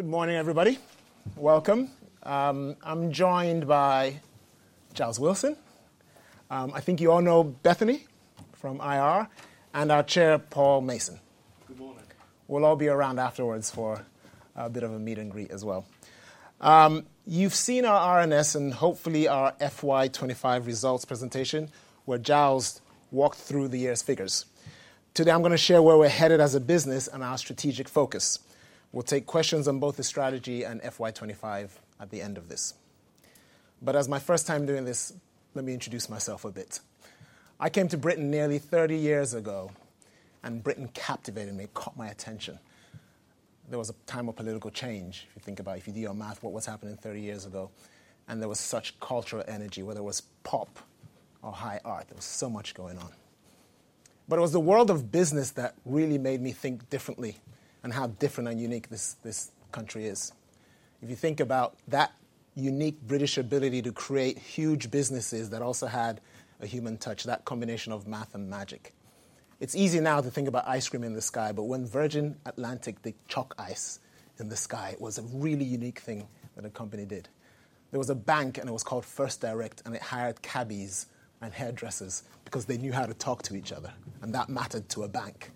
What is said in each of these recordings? Good morning, everybody. Welcome. I'm joined by Giles Wilson. I think you all know Bethany from IR and our Chair, Paul Mason. Good morning. We'll all be around afterwards for a bit of a meet and greet as well. You've seen our RNS and hopefully our FY25 results presentation where Giles walked through the year's figures. Today, I'm going to share where we're headed as a business and our strategic focus. We'll take questions on both the strategy and FY25 at the end of this. But as my first time doing this, let me introduce myself a bit. I came to Britain nearly 30 years ago, and Britain captivated me, caught my attention. There was a time of political change. If you think about, if you do your math, what was happening 30 years ago, and there was such cultural energy, whether it was pop or high art, there was so much going on. It was the world of business that really made me think differently and how different and unique this country is. If you think about that unique British ability to create huge businesses that also had a human touch, that combination of math and magic. It's easy now to think about ice cream in the sky, but when Virgin Atlantic did chalk ice in the sky, it was a really unique thing that a company did. There was a bank, and it was called First Direct, and it hired cabbies and hairdressers because they knew how to talk to each other, and that mattered to a bank.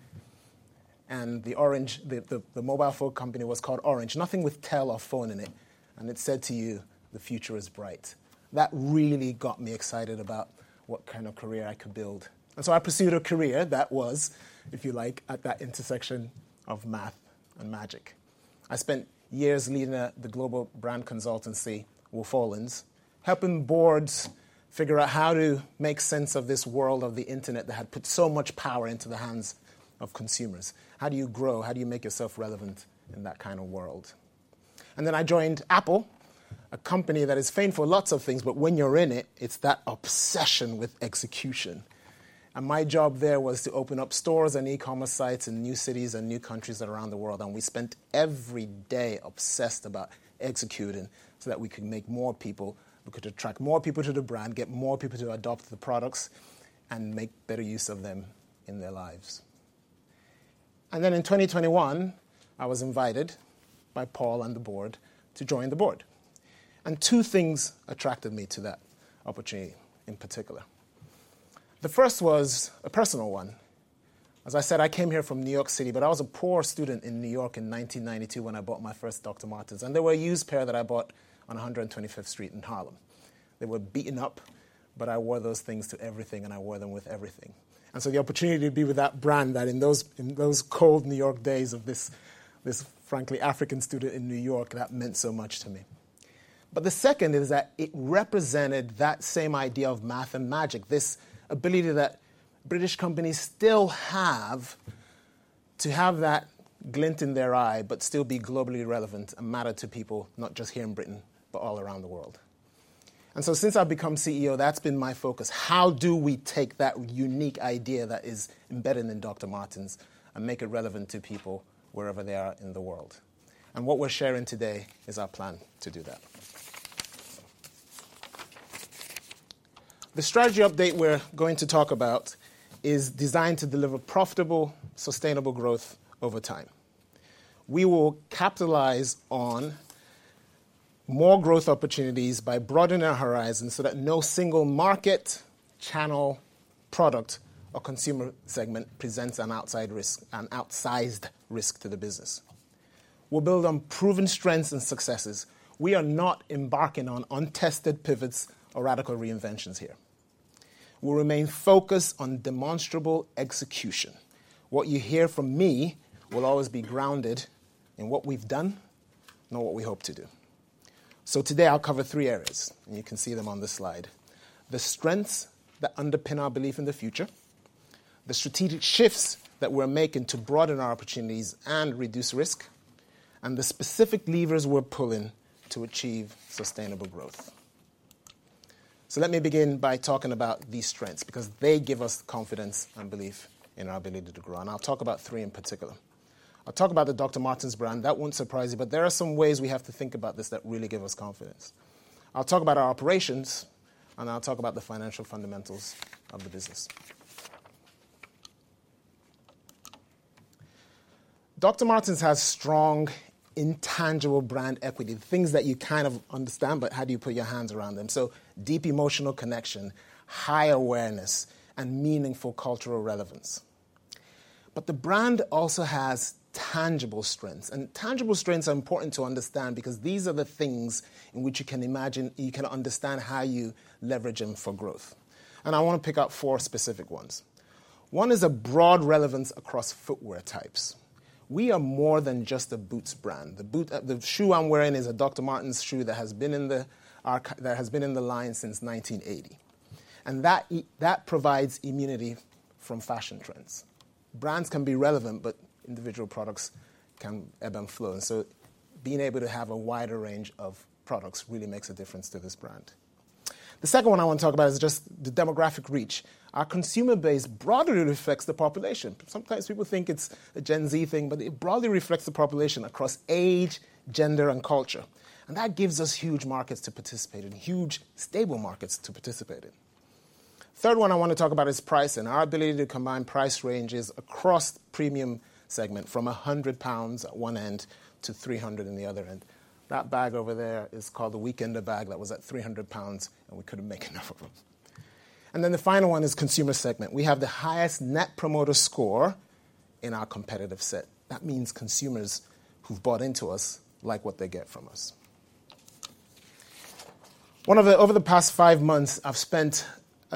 The mobile phone company was called Orange, nothing with tel or phone in it, and it said to you, the future is bright. That really got me excited about what kind of career I could build. I pursued a career that was, if you like, at that intersection of math and magic. I spent years leading the global brand consultancy, Wolff Olins, helping boards figure out how to make sense of this world of the internet that had put so much power into the hands of consumers. How do you grow? How do you make yourself relevant in that kind of world? I joined Apple, a company that is famed for lots of things, but when you're in it, it's that obsession with execution. My job there was to open up stores and e-commerce sites in new cities and new countries around the world. We spent every day obsessed about executing so that we could make more people, we could attract more people to the brand, get more people to adopt the products, and make better use of them in their lives. In 2021, I was invited by Paul and the board to join the board. Two things attracted me to that opportunity in particular. The first was a personal one. As I said, I came here from New York City, but I was a poor student in New York in 1992 when I bought my first Dr. Martens. They were a used pair that I bought on 125th Street in Harlem. They were beaten up, but I wore those things to everything, and I wore them with everything. The opportunity to be with that brand that in those cold New York days of this, frankly, African student in New York, that meant so much to me. The second is that it represented that same idea of math and magic, this ability that British companies still have to have that glint in their eye, but still be globally relevant and matter to people, not just here in Britain, but all around the world. Since I've become CEO, that's been my focus. How do we take that unique idea that is embedded in Dr. Martens and make it relevant to people wherever they are in the world? What we're sharing today is our plan to do that. The strategy update we're going to talk about is designed to deliver profitable, sustainable growth over time. We will capitalize on more growth opportunities by broadening our horizons so that no single market, channel, product, or consumer segment presents an outsized risk to the business. We'll build on proven strengths and successes. We are not embarking on untested pivots or radical reinventions here. We'll remain focused on demonstrable execution. What you hear from me will always be grounded in what we've done and what we hope to do. Today, I'll cover three areas, and you can see them on this slide. The strengths that underpin our belief in the future, the strategic shifts that we're making to broaden our opportunities and reduce risk, and the specific levers we're pulling to achieve sustainable growth. Let me begin by talking about these strengths because they give us confidence and belief in our ability to grow. I'll talk about three in particular. I'll talk about the Dr. Martens brand. That will not surprise you, but there are some ways we have to think about this that really give us confidence. I will talk about our operations, and I will talk about the financial fundamentals of the business. Dr. Martens has strong, intangible brand equity, things that you kind of understand, but how do you put your hands around them? Deep emotional connection, high awareness, and meaningful cultural relevance. The brand also has tangible strengths. Tangible strengths are important to understand because these are the things in which you can imagine, you can understand how you leverage them for growth. I want to pick out four specific ones. One is a broad relevance across footwear types. We are more than just a boots brand. The shoe I am wearing is a Dr. Martens shoe that has been in the line since 1980. That provides immunity from fashion trends. Brands can be relevant, but individual products can ebb and flow. Being able to have a wider range of products really makes a difference to this brand. The second one I want to talk about is just the demographic reach. Our consumer base broadly reflects the population. Sometimes people think it is a Gen Z thing, but it broadly reflects the population across age, gender, and culture. That gives us huge markets to participate in, huge stable markets to participate in. The third one I want to talk about is pricing. Our ability to combine price ranges across the premium segment from 100 pounds at one end to 300 on the other end. That bag over there is called the weekender bag that was at 300 pounds, and we could not make enough of them. The final one is consumer segment. We have the highest net promoter score in our competitive set. That means consumers who've bought into us like what they get from us. Over the past five months, I've spent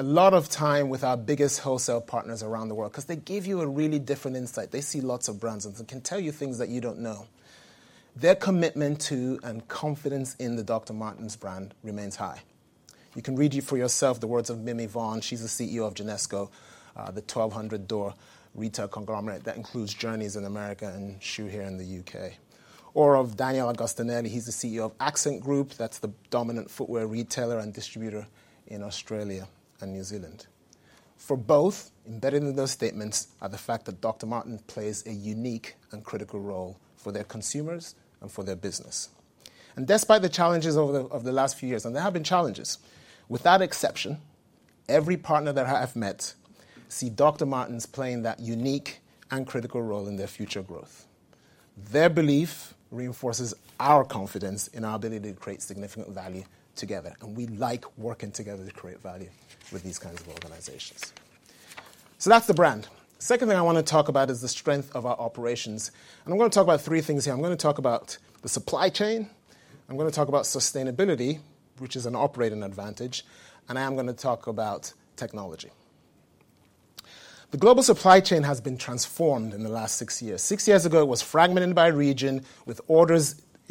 a lot of time with our biggest wholesale partners around the world because they give you a really different insight. They see lots of brands and can tell you things that you don't know. Their commitment to and confidence in the Dr. Martens brand remains high. You can read for yourself the words of Mimi Vaughn. She's the CEO of Genesco, the 1,200-door retail conglomerate that includes Journeys in America and Schuh in the U.K. Or of Daniel Agostinelli. She's the CEO of Accent Group. That's the dominant footwear retailer and distributor in Australia and New Zealand. For both, embedded in those statements are the fact that Dr. Martens plays a unique and critical role for their consumers and for their business. Despite the challenges of the last few years, and there have been challenges, without exception, every partner that I've met sees Dr. Martens playing that unique and critical role in their future growth. Their belief reinforces our confidence in our ability to create significant value together. We like working together to create value with these kinds of organizations. That is the brand. The second thing I want to talk about is the strength of our operations. I'm going to talk about three things here. I'm going to talk about the supply chain. I'm going to talk about sustainability, which is an operating advantage. I am going to talk about technology. The global supply chain has been transformed in the last six years. Six years ago, it was fragmented by region with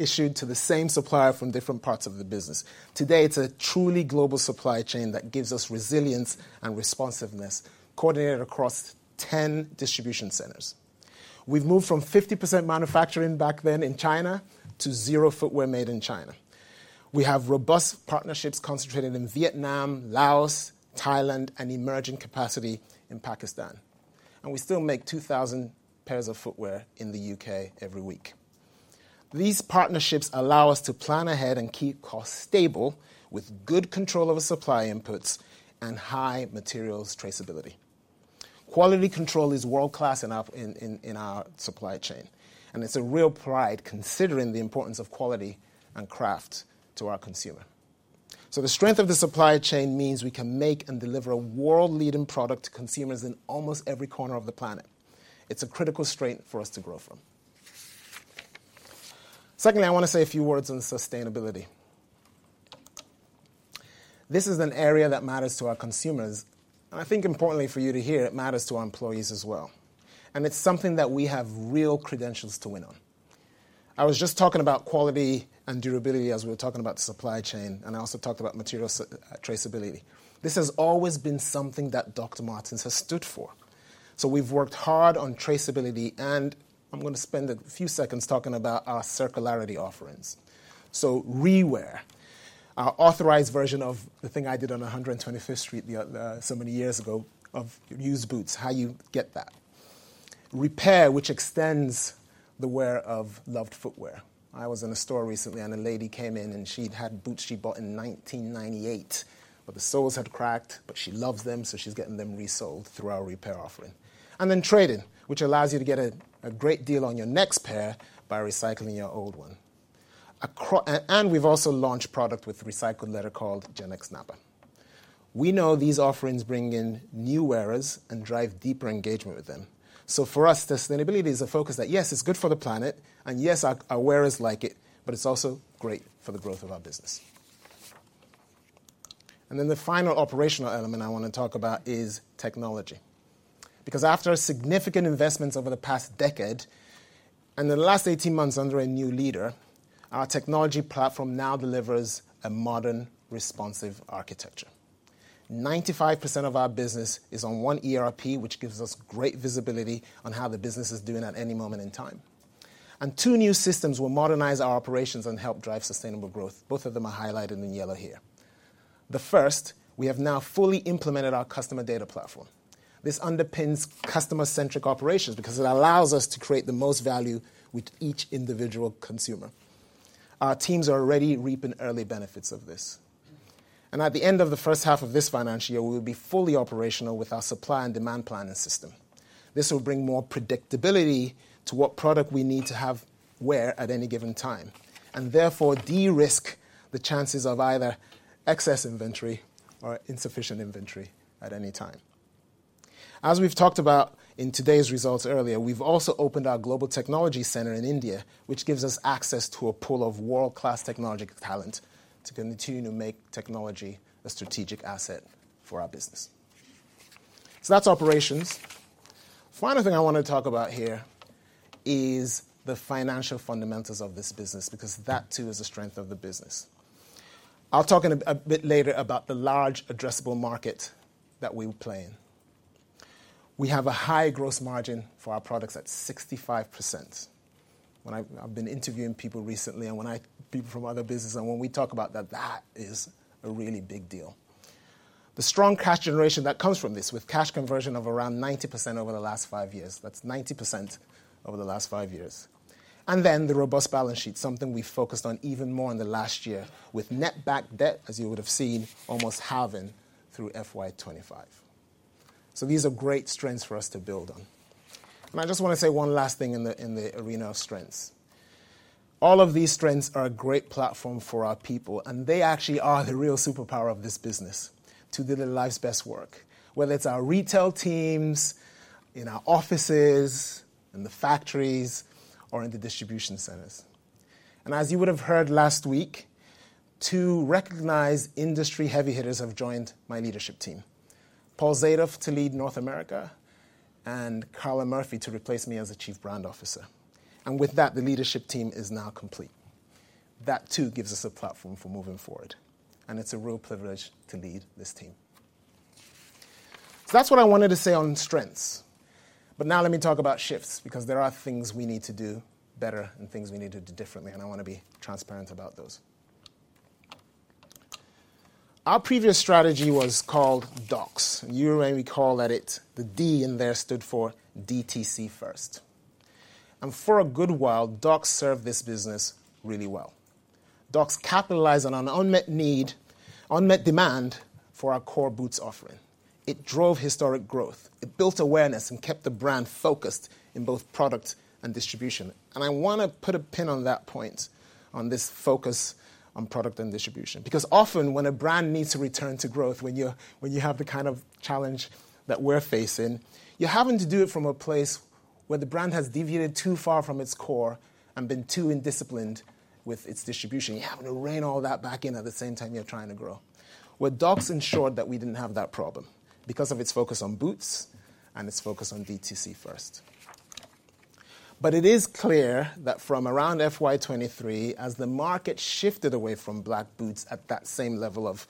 orders issued to the same supplier from different parts of the business. Today, it's a truly global supply chain that gives us resilience and responsiveness coordinated across 10 distribution centers. We've moved from 50% manufacturing back then in China to zero footwear made in China. We have robust partnerships concentrated in Vietnam, Laos, Thailand, and emerging capacity in Pakistan. We still make 2,000 pairs of footwear in the U.K. every week. These partnerships allow us to plan ahead and keep costs stable with good control of supply inputs and high materials traceability. Quality control is world-class in our supply chain. It's a real pride considering the importance of quality and craft to our consumer. The strength of the supply chain means we can make and deliver a world-leading product to consumers in almost every corner of the planet. It's a critical strength for us to grow from. Secondly, I want to say a few words on sustainability. This is an area that matters to our consumers. I think importantly for you to hear, it matters to our employees as well. It's something that we have real credentials to win on. I was just talking about quality and durability as we were talking about the supply chain, and I also talked about materials traceability. This has always been something that Dr. Martens has stood for. We have worked hard on traceability. I'm going to spend a few seconds talking about our circularity offerings. Re-wear, our authorized version of the thing I did on 125th Street so many years ago of used boots, how you get that. Repair, which extends the wear of loved footwear. I was in a store recently, and a lady came in, and she had boots she bought in 1998, but the soles had cracked, but she loves them, so she's getting them resoled through our repair offering. Then trading, which allows you to get a great deal on your next pair by recycling your old one. We have also launched a product with recycled leather called Genix Nappa. We know these offerings bring in new wearers and drive deeper engagement with them. For us, sustainability is a focus that, yes, it's good for the planet, and yes, our wearers like it, but it's also great for the growth of our business. The final operational element I want to talk about is technology. Because after significant investments over the past decade and the last 18 months under a new leader, our technology platform now delivers a modern, responsive architecture. 95% of our business is on one ERP, which gives us great visibility on how the business is doing at any moment in time. Two new systems will modernize our operations and help drive sustainable growth. Both of them are highlighted in yellow here. The first, we have now fully implemented our customer data platform. This underpins customer-centric operations because it allows us to create the most value with each individual consumer. Our teams are already reaping early benefits of this. At the end of the first half of this financial year, we will be fully operational with our supply and demand planning system. This will bring more predictability to what product we need to have where at any given time, and therefore de-risk the chances of either excess inventory or insufficient inventory at any time. As we have talked about in today's results earlier, we have also opened our global technology center in India, which gives us access to a pool of world-class technology talent to continue to make technology a strategic asset for our business. That is operations. The final thing I want to talk about here is the financial fundamentals of this business because that too is a strength of the business. I will talk a bit later about the large addressable market that we play in. We have a high gross margin for our products at 65%. I have been interviewing people recently and people from other businesses. When we talk about that, that is a really big deal. The strong cash generation that comes from this with cash conversion of around 90% over the last five years. That's 90% over the last five years. The robust balance sheet, something we focused on even more in the last year with net debt, as you would have seen, almost halving through FY25. These are great strengths for us to build on. I just want to say one last thing in the arena of strengths. All of these strengths are a great platform for our people, and they actually are the real superpower of this business to do the life's best work, whether it's our retail teams in our offices, in the factories, or in the distribution centers. As you would have heard last week, two recognized industry heavy hitters have joined my leadership team, Paul Zadov to lead North America and Carla Murphy to replace me as Chief Brand Officer. With that, the leadership team is now complete. That too gives us a platform for moving forward. It is a real privilege to lead this team. That is what I wanted to say on strengths. Now let me talk about shifts because there are things we need to do better and things we need to do differently. I want to be transparent about those. Our previous strategy was called DOCS. You and I recall that the D in there stood for DTC First. For a good while, DOCS served this business really well. DOCS capitalized on an unmet demand for our core boots offering. It drove historic growth. It built awareness and kept the brand focused in both product and distribution. I want to put a pin on that point on this focus on product and distribution because often when a brand needs to return to growth, when you have the kind of challenge that we're facing, you're having to do it from a place where the brand has deviated too far from its core and been too indisciplined with its distribution. You're having to rein all that back in at the same time you're trying to grow. DOCS ensured that we didn't have that problem because of its focus on boots and its focus on DTC First. It is clear that from around FY2023, as the market shifted away from black boots at that same level of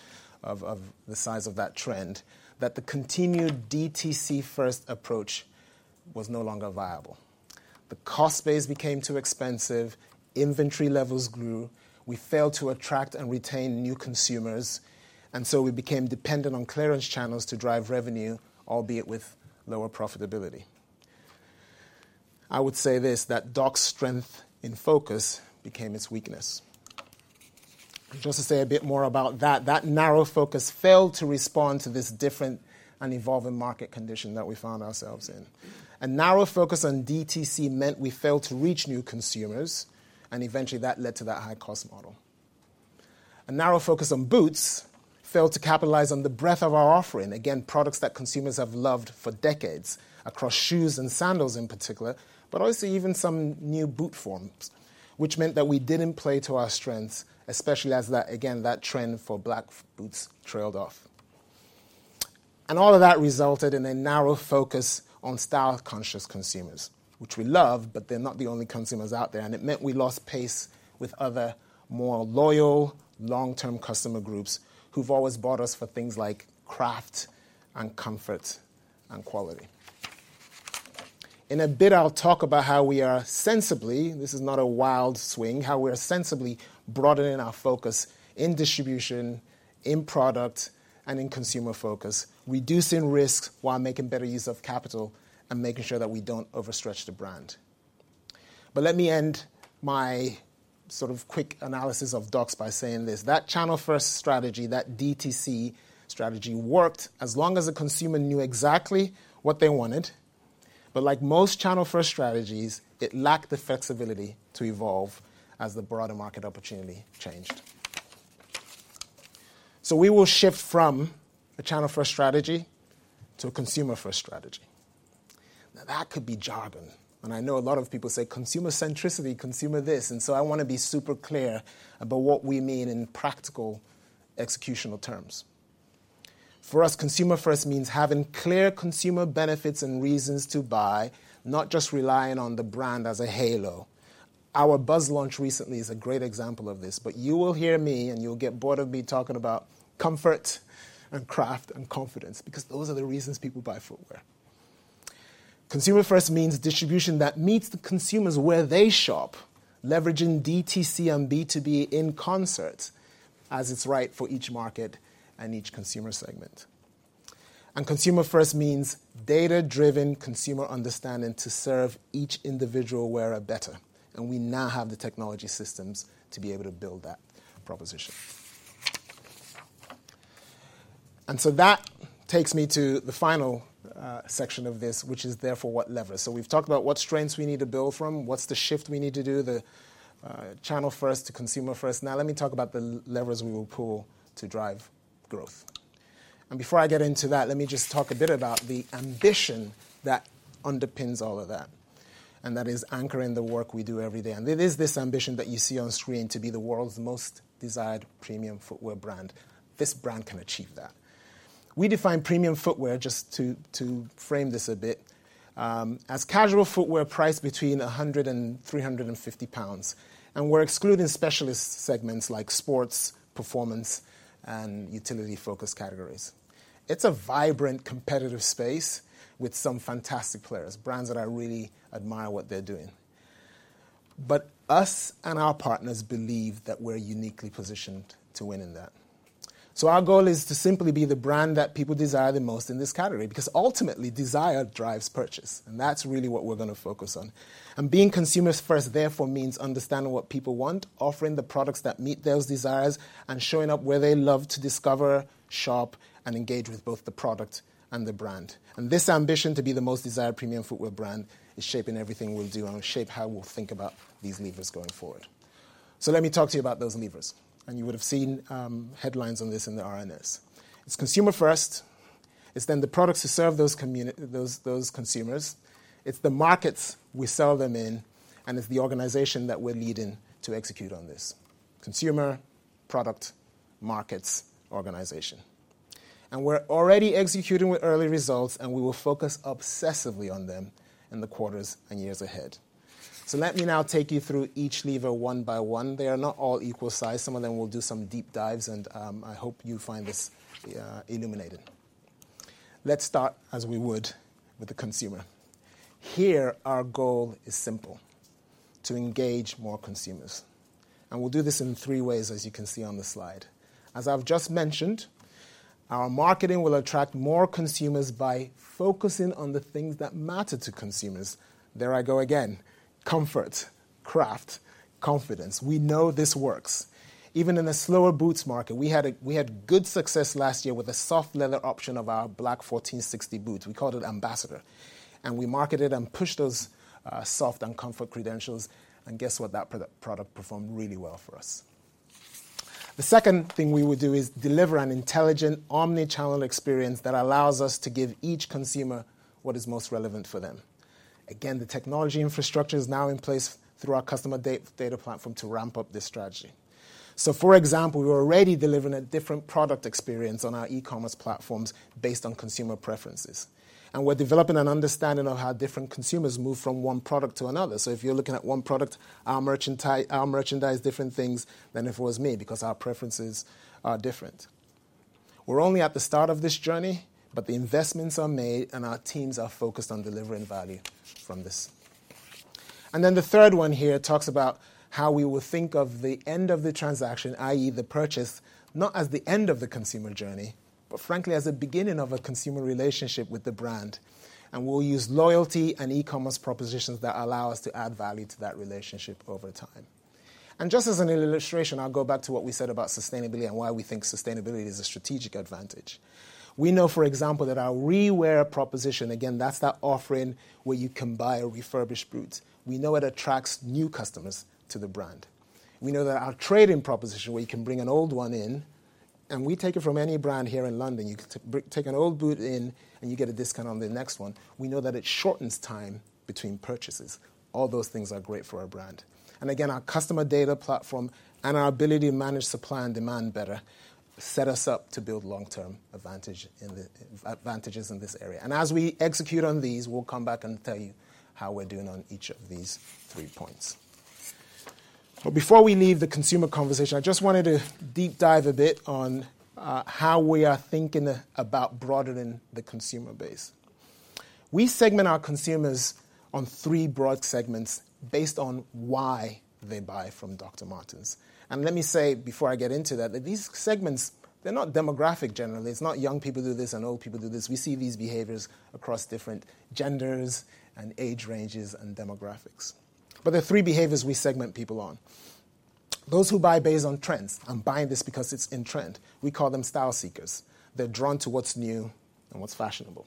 the size of that trend, the continued DTC First approach was no longer viable. The cost base became too expensive. Inventory levels grew. We failed to attract and retain new consumers. We became dependent on clearance channels to drive revenue, albeit with lower profitability. I would say this, that DOCS strength in focus became its weakness. Just to say a bit more about that, that narrow focus failed to respond to this different and evolving market condition that we found ourselves in. A narrow focus on DTC meant we failed to reach new consumers. Eventually, that led to that high-cost model. A narrow focus on boots failed to capitalize on the breadth of our offering. Again, products that consumers have loved for decades across shoes and sandals in particular, but also even some new boot forms, which meant that we did not play to our strengths, especially as, again, that trend for black boots trailed off. All of that resulted in a narrow focus on style-conscious consumers, which we love, but they're not the only consumers out there. It meant we lost pace with other more loyal, long-term customer groups who've always bought us for things like craft and comfort and quality. In a bit, I'll talk about how we are sensibly—this is not a wild swing—how we are sensibly broadening our focus in distribution, in product, and in consumer focus, reducing risk while making better use of capital and making sure that we do not overstretch the brand. Let me end my sort of quick analysis of DOCS by saying this: that channel-first strategy, that DTC strategy, worked as long as the consumer knew exactly what they wanted. Like most channel-first strategies, it lacked the flexibility to evolve as the broader market opportunity changed. We will shift from a channel-first strategy to a consumer-first strategy. Now, that could be jargon. I know a lot of people say consumer-centricity, consumer this. I want to be super clear about what we mean in practical executional terms. For us, consumer-first means having clear consumer benefits and reasons to buy, not just relying on the brand as a halo. Our Buzz launch recently is a great example of this. You will hear me, and you'll get bored of me talking about comfort and craft and confidence because those are the reasons people buy footwear. Consumer-first means distribution that meets the consumers where they shop, leveraging DTC and B2B in concert as it is right for each market and each consumer segment. Consumer-first means data-driven consumer understanding to serve each individual wearer better. We now have the technology systems to be able to build that proposition. That takes me to the final section of this, which is therefore what levers. We have talked about what strengths we need to build from, what is the shift we need to do, the channel-first to consumer-first. Let me talk about the levers we will pull to drive growth. Before I get into that, let me just talk a bit about the ambition that underpins all of that. That is anchoring the work we do every day. It is this ambition that you see on screen to be the world's most desired premium footwear brand. This brand can achieve that. We define premium footwear, just to frame this a bit, as casual footwear priced between 100-350 pounds. We are excluding specialist segments like sports, performance, and utility-focused categories. It's a vibrant, competitive space with some fantastic players, brands that I really admire what they're doing. Us and our partners believe that we're uniquely positioned to win in that. Our goal is to simply be the brand that people desire the most in this category because ultimately, desire drives purchase. That's really what we're going to focus on. Being consumers first, therefore, means understanding what people want, offering the products that meet those desires, and showing up where they love to discover, shop, and engage with both the product and the brand. This ambition to be the most desired premium footwear brand is shaping everything we'll do and will shape how we'll think about these levers going forward. Let me talk to you about those levers. You would have seen headlines on this in the RNS. It's consumer-first. It's then the products to serve those consumers. It's the markets we sell them in. It's the organization that we're leading to execute on this: consumer, product, markets, organization. We're already executing with early results, and we will focus obsessively on them in the quarters and years ahead. Let me now take you through each lever one by one. They are not all equal size. Some of them we will do some deep dives, and I hope you find this illuminating. Let's start, as we would, with the consumer. Here, our goal is simple: to engage more consumers. We'll do this in three ways, as you can see on the slide. As I've just mentioned, our marketing will attract more consumers by focusing on the things that matter to consumers. There I go again: comfort, craft, confidence. We know this works. Even in a slower boots market, we had good success last year with a soft leather option of our black 1460 boots. We called it Ambassador. We marketed and pushed those soft and comfort credentials. Guess what? That product performed really well for us. The second thing we would do is deliver an intelligent omnichannel experience that allows us to give each consumer what is most relevant for them. The technology infrastructure is now in place through our customer data platform to ramp up this strategy. For example, we're already delivering a different product experience on our e-commerce platforms based on consumer preferences. We are developing an understanding of how different consumers move from one product to another. If you're looking at one product, our merchandise different things than if it was me because our preferences are different. We're only at the start of this journey, but the investments are made, and our teams are focused on delivering value from this. The third one here talks about how we will think of the end of the transaction, i.e., the purchase, not as the end of the consumer journey, but frankly, as the beginning of a consumer relationship with the brand. We'll use loyalty and e-commerce propositions that allow us to add value to that relationship over time. Just as an illustration, I'll go back to what we said about sustainability and why we think sustainability is a strategic advantage. We know, for example, that our re-wear proposition, again, that's that offering where you can buy a refurbished boot. We know it attracts new customers to the brand. We know that our trading proposition, where you can bring an old one in, and we take it from any brand here in London, you can take an old boot in, and you get a discount on the next one. We know that it shortens time between purchases. All those things are great for our brand. Our customer data platform and our ability to manage supply and demand better set us up to build long-term advantages in this area. As we execute on these, we'll come back and tell you how we're doing on each of these three points. Before we leave the consumer conversation, I just wanted to deep dive a bit on how we are thinking about broadening the consumer base. We segment our consumers on three broad segments based on why they buy from Dr. Martens. Let me say, before I get into that, that these segments, they're not demographic generally. It's not young people who do this and old people who do this. We see these behaviors across different genders and age ranges and demographics. There are three behaviors we segment people on. Those who buy based on trends. I'm buying this because it's in trend. We call them style seekers. They're drawn to what's new and what's fashionable.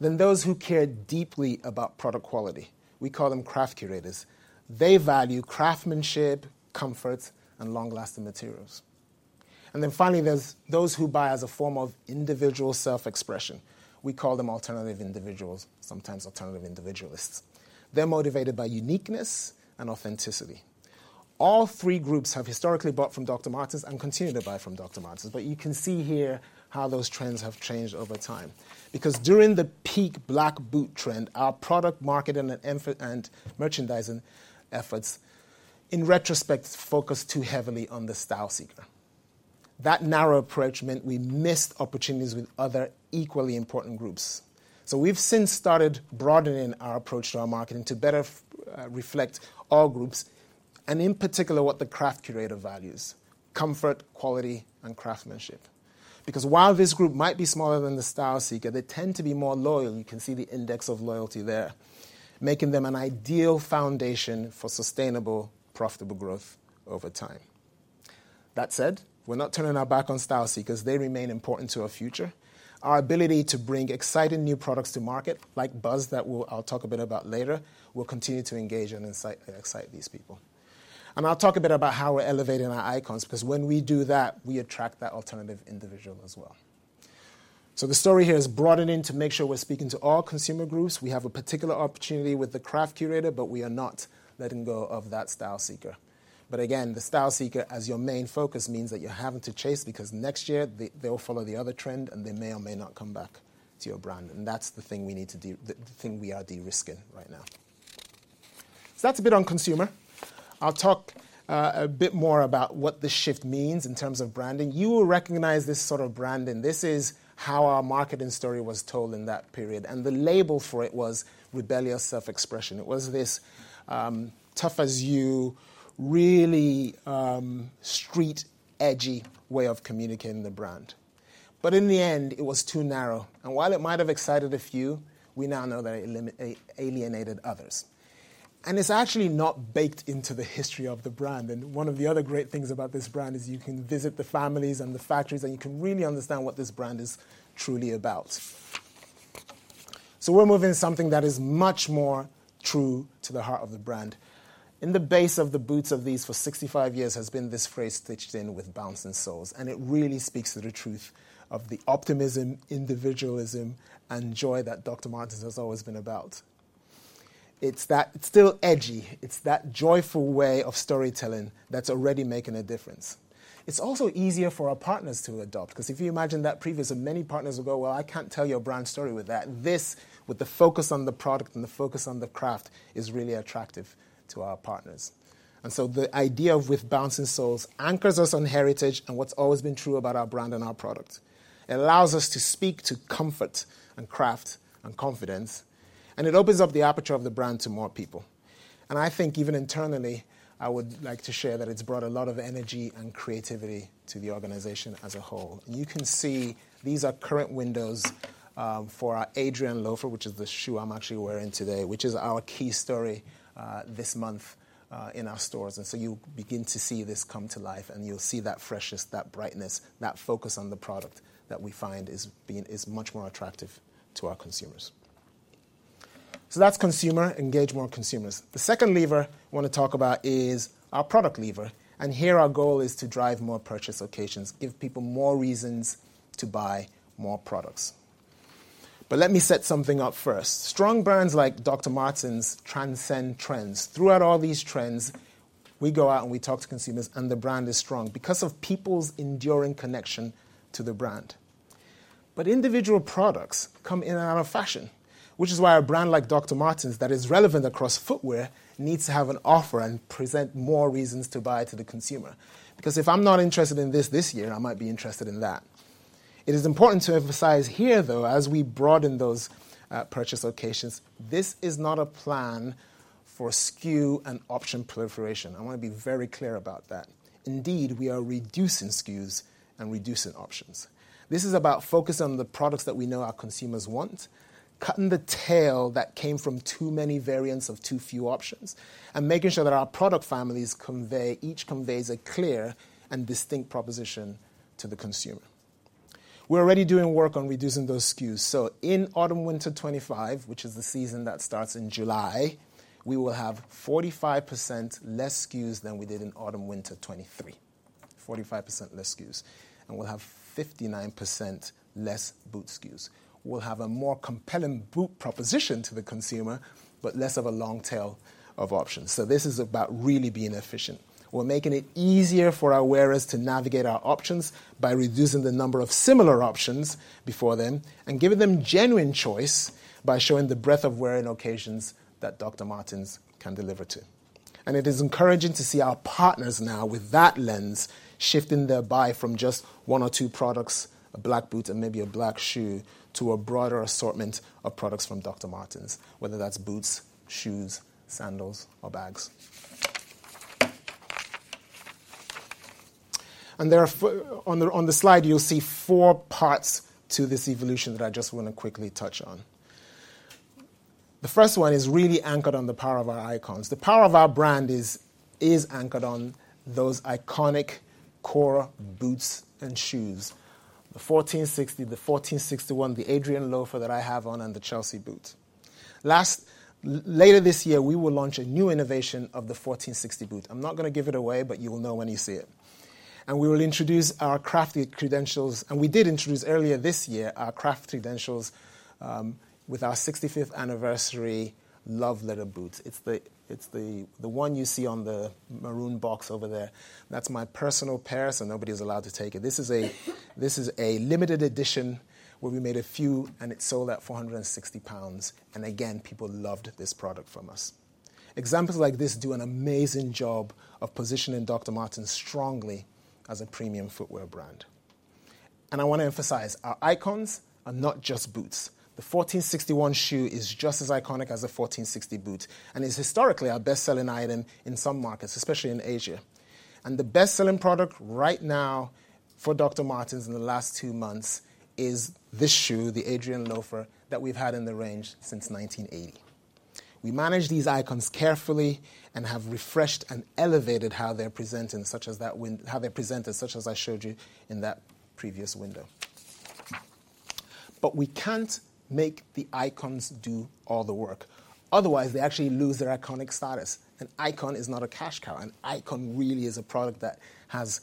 Those who care deeply about product quality. We call them craft curators. They value craftsmanship, comfort, and long-lasting materials. Finally, there's those who buy as a form of individual self-expression. We call them alternative individuals, sometimes alternative individualists. They're motivated by uniqueness and authenticity. All three groups have historically bought from Dr. Martens and continue to buy from Dr. Martens. You can see here how those trends have changed over time because during the peak black boot trend, our product marketing and merchandising efforts, in retrospect, focused too heavily on the style seeker. That narrow approach meant we missed opportunities with other equally important groups. We have since started broadening our approach to our marketing to better reflect all groups and, in particular, what the craft curator values: comfort, quality, and craftsmanship. While this group might be smaller than the style seeker, they tend to be more loyal. You can see the index of loyalty there, making them an ideal foundation for sustainable, profitable growth over time. That said, we are not turning our back on style seekers. They remain important to our future. Our ability to bring exciting new products to market, like Buzz that I'll talk a bit about later, will continue to engage and excite these people. I'll talk a bit about how we're elevating our icons because when we do that, we attract that alternative individual as well. The story here is broadening to make sure we're speaking to all consumer groups. We have a particular opportunity with the craft curator, but we are not letting go of that style seeker. The style seeker as your main focus means that you're having to chase because next year, they'll follow the other trend, and they may or may not come back to your brand. That's the thing we need to do, the thing we are de-risking right now. That's a bit on consumer. I'll talk a bit more about what this shift means in terms of branding. You will recognize this sort of branding. This is how our marketing story was told in that period. The label for it was rebellious self-expression. It was this tough-as-you, really street-edgy way of communicating the brand. It was too narrow. While it might have excited a few, we now know that it alienated others. It's actually not baked into the history of the brand. One of the other great things about this brand is you can visit the families and the factories, and you can really understand what this brand is truly about. We're moving to something that is much more true to the heart of the brand. In the base of the boots of these for 65 years has been this phrase stitched in with bounce and soles. It really speaks to the truth of the optimism, individualism, and joy that Dr. Martens has always been about. It is still edgy. It is that joyful way of storytelling that is already making a difference. It is also easier for our partners to adopt because if you imagine that previously, many partners would go, "Well, I cannot tell your brand story with that." This, with the focus on the product and the focus on the craft, is really attractive to our partners. The idea with bounce and soles anchors us on heritage and what has always been true about our brand and our product. It allows us to speak to comfort and craft and confidence. It opens up the aperture of the brand to more people. I think even internally, I would like to share that it has brought a lot of energy and creativity to the organization as a whole. You can see these are current windows for our Adrian Loafer, which is the shoe I am actually wearing today, which is our key story this month in our stores. You begin to see this come to life, and you will see that freshness, that brightness, that focus on the product that we find is much more attractive to our consumers. That is consumer. Engage more consumers. The second lever I want to talk about is our product lever. Here, our goal is to drive more purchase occasions, give people more reasons to buy more products. Let me set something up first. Strong brands like Dr. Martens transcend trends. Throughout all these trends, we go out and we talk to consumers, and the brand is strong because of people's enduring connection to the brand. Individual products come in and out of fashion, which is why a brand like Dr. Martens that is relevant across footwear needs to have an offer and present more reasons to buy to the consumer. If I'm not interested in this this year, I might be interested in that. It is important to emphasize here, though, as we broaden those purchase occasions, this is not a plan for SKU and option proliferation. I want to be very clear about that. Indeed, we are reducing SKUs and reducing options. This is about focusing on the products that we know our consumers want, cutting the tail that came from too many variants of too few options, and making sure that our product families each conveys a clear and distinct proposition to the consumer. We're already doing work on reducing those SKUs. In autumn/winter 2025, which is the season that starts in July, we will have 45% less SKUs than we did in autumn/winter 2023, 45% less SKUs. We will have 59% less boot SKUs. We will have a more compelling boot proposition to the consumer, but less of a long tail of options. This is about really being efficient. We're making it easier for our wearers to navigate our options by reducing the number of similar options before them and giving them genuine choice by showing the breadth of wearing occasions that Dr. Martens can deliver to. It is encouraging to see our partners now, with that lens, shifting their buy from just one or two products, a black boot and maybe a black shoe, to a broader assortment of products from Dr. Martens, whether that's boots, shoes, sandals, or bags. On the slide, you'll see four parts to this evolution that I just want to quickly touch on. The first one is really anchored on the power of our icons. The power of our brand is anchored on those iconic core boots and shoes: the 1460, the 1461, the Adrian Loafer that I have on, and the Chelsea boot. Later this year, we will launch a new innovation of the 1460 boot. I'm not going to give it away, but you will know when you see it. We will introduce our craft credentials. We did introduce earlier this year our craft credentials with our 65th anniversary love letter boots. It is the one you see on the maroon box over there. That is my personal pair, so nobody is allowed to take it. This is a limited edition where we made a few, and it sold at 460 pounds. People loved this product from us. Examples like this do an amazing job of positioning Dr. Martens strongly as a premium footwear brand. I want to emphasize our icons are not just boots. The 1461 shoe is just as iconic as the 1460 boot, and it is historically our best-selling item in some markets, especially in Asia. The best-selling product right now for Dr. Martens in the last two months is this shoe, the Adrian Loafer, that we have had in the range since 1980. We manage these icons carefully and have refreshed and elevated how they're presented, such as I showed you in that previous window. We can't make the icons do all the work. Otherwise, they actually lose their iconic status. An icon is not a cash cow. An icon really is a product that has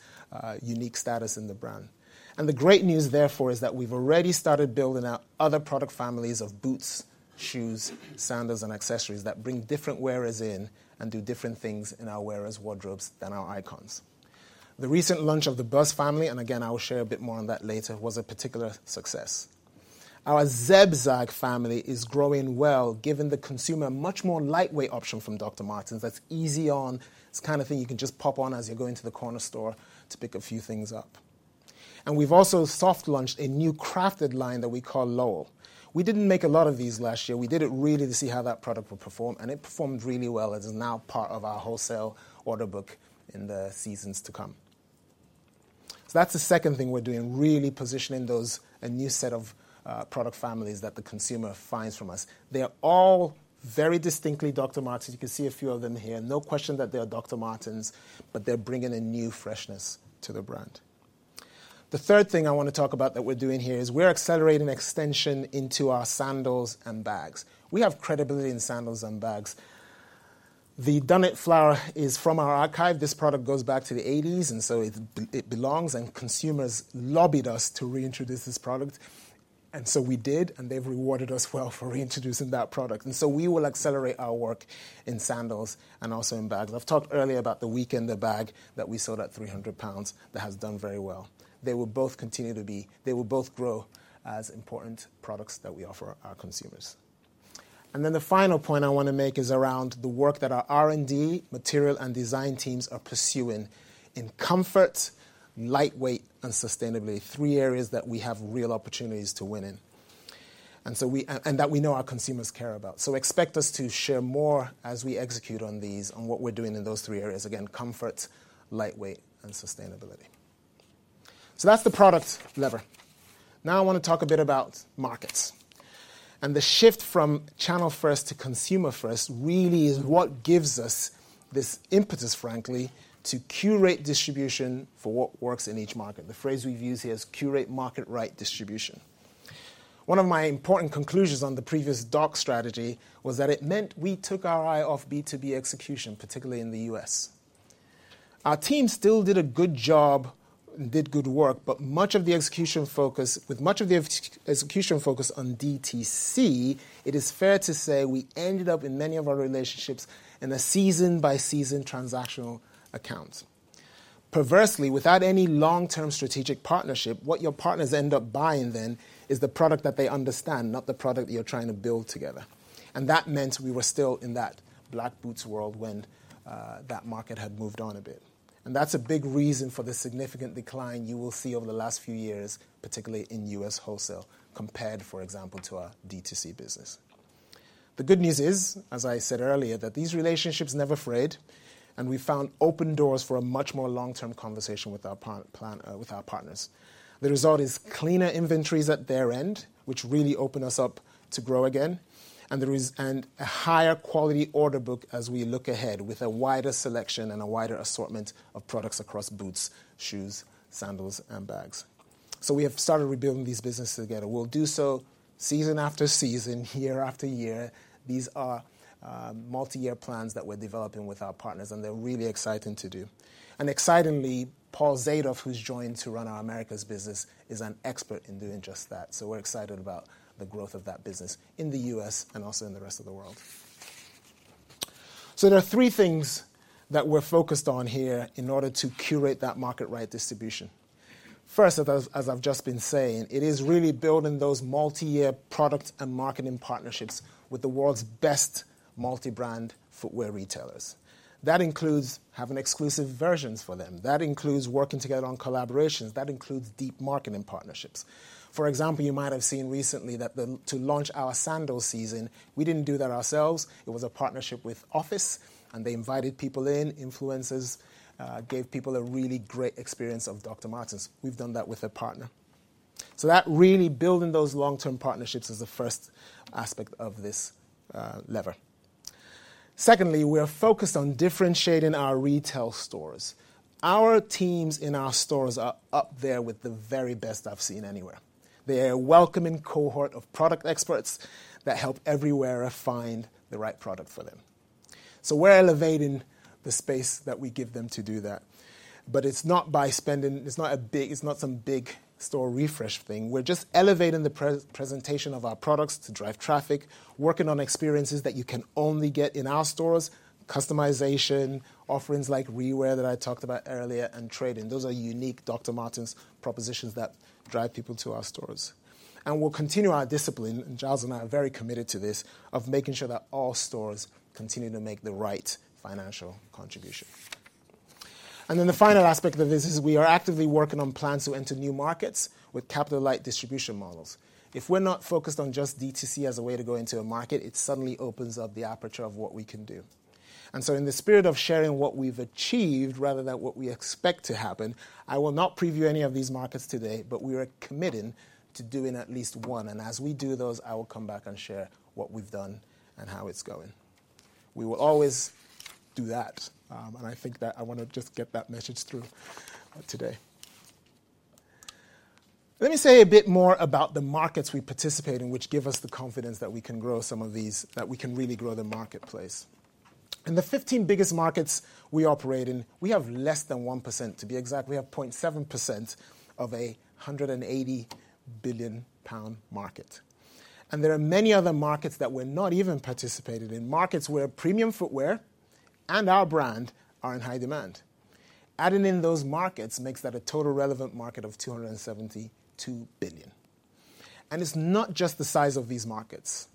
unique status in the brand. The great news, therefore, is that we've already started building out other product families of boots, shoes, sandals, and accessories that bring different wearers in and do different things in our wearers' wardrobes than our icons. The recent launch of the Buzz family, and again, I'll share a bit more on that later, was a particular success. Our Zeb Zag family is growing well, giving the consumer a much more lightweight option from Dr. Martens that's easy on. It's the kind of thing you can just pop on as you're going to the corner store to pick a few things up. We have also soft-launched a new crafted line that we call. We did not make a lot of these last year. We did it really to see how that product would perform, and it performed really well. It is now part of our wholesale order book in the seasons to come. That is the second thing we are doing, really positioning a new set of product families that the consumer finds from us. They are all very distinctly Dr. Martens. You can see a few of them here. No question that they are Dr. Martens, but they are bringing a new freshness to the brand. The third thing I want to talk about that we are doing here is we are accelerating extension into our sandals and bags. We have credibility in sandals and bags. The Dunnet Flower is from our archive. This product goes back to the 1980s, and so it belongs, and consumers lobbied us to reintroduce this product. We did, and they have rewarded us well for reintroducing that product. We will accelerate our work in sandals and also in bags. I have talked earlier about the Weekender bag that we sold at 300 pounds that has done very well. They will both continue to be, they will both grow as important products that we offer our consumers. The final point I want to make is around the work that our R&D, material, and design teams are pursuing in comfort, lightweight, and sustainability, three areas that we have real opportunities to win in and that we know our consumers care about. Expect us to share more as we execute on these, on what we're doing in those three areas, again, comfort, lightweight, and sustainability. That is the product lever. Now I want to talk a bit about markets. The shift from channel-first to consumer-first really is what gives us this impetus, frankly, to curate distribution for what works in each market. The phrase we've used here is curate market-right distribution. One of my important conclusions on the previous DOCS strategy was that it meant we took our eye off B2B execution, particularly in the US. Our team still did a good job and did good work, but with much of the execution focus on DTC, it is fair to say we ended up in many of our relationships in a season-by-season transactional account. Perversely, without any long-term strategic partnership, what your partners end up buying then is the product that they understand, not the product that you're trying to build together. That meant we were still in that black boots world when that market had moved on a bit. That is a big reason for the significant decline you will see over the last few years, particularly in US wholesale compared, for example, to our DTC business. The good news is, as I said earlier, that these relationships never frayed, and we found open doors for a much more long-term conversation with our partners. The result is cleaner inventories at their end, which really open us up to grow again, and a higher quality order book as we look ahead with a wider selection and a wider assortment of products across boots, shoes, sandals, and bags. We have started rebuilding these businesses together. We'll do so season after season, year after year. These are multi-year plans that we're developing with our partners, and they're really exciting to do. Excitingly, Paul Zadov, who's joined to run our Americas business, is an expert in doing just that. We're excited about the growth of that business in the US and also in the rest of the world. There are three things that we're focused on here in order to curate that market-right distribution. First, as I've just been saying, it is really building those multi-year product and marketing partnerships with the world's best multi-brand footwear retailers. That includes having exclusive versions for them. That includes working together on collaborations. That includes deep marketing partnerships. For example, you might have seen recently that to launch our sandal season, we didn't do that ourselves. It was a partnership with Office, and they invited people in, influencers, gave people a really great experience of Dr. Martens. We've done that with a partner. That really building those long-term partnerships is the first aspect of this lever. Secondly, we are focused on differentiating our retail stores. Our teams in our stores are up there with the very best I've seen anywhere. They are a welcoming cohort of product experts that help every wearer find the right product for them. We're elevating the space that we give them to do that. It's not by spending, it's not some big store refresh thing. We're just elevating the presentation of our products to drive traffic, working on experiences that you can only get in our stores, customization, offerings like re-wear that I talked about earlier, and trading. Those are unique Dr. Martens propositions that drive people to our stores. We will continue our discipline, and Giles and I are very committed to this, of making sure that all stores continue to make the right financial contribution. The final aspect of this is we are actively working on plans to enter new markets with capital-light distribution models. If we are not focused on just DTC as a way to go into a market, it suddenly opens up the aperture of what we can do. In the spirit of sharing what we have achieved rather than what we expect to happen, I will not preview any of these markets today, but we are committing to doing at least one. As we do those, I will come back and share what we have done and how it is going. We will always do that. I think that I want to just get that message through today. Let me say a bit more about the markets we participate in, which give us the confidence that we can grow some of these, that we can really grow the marketplace. In the 15 biggest markets we operate in, we have less than 1%. To be exact, we have 0.7% of a 180 billion pound market. There are many other markets that we're not even participating in, markets where premium footwear and our brand are in high demand. Adding in those markets makes that a total relevant market of 272 billion. It is not just the size of these markets.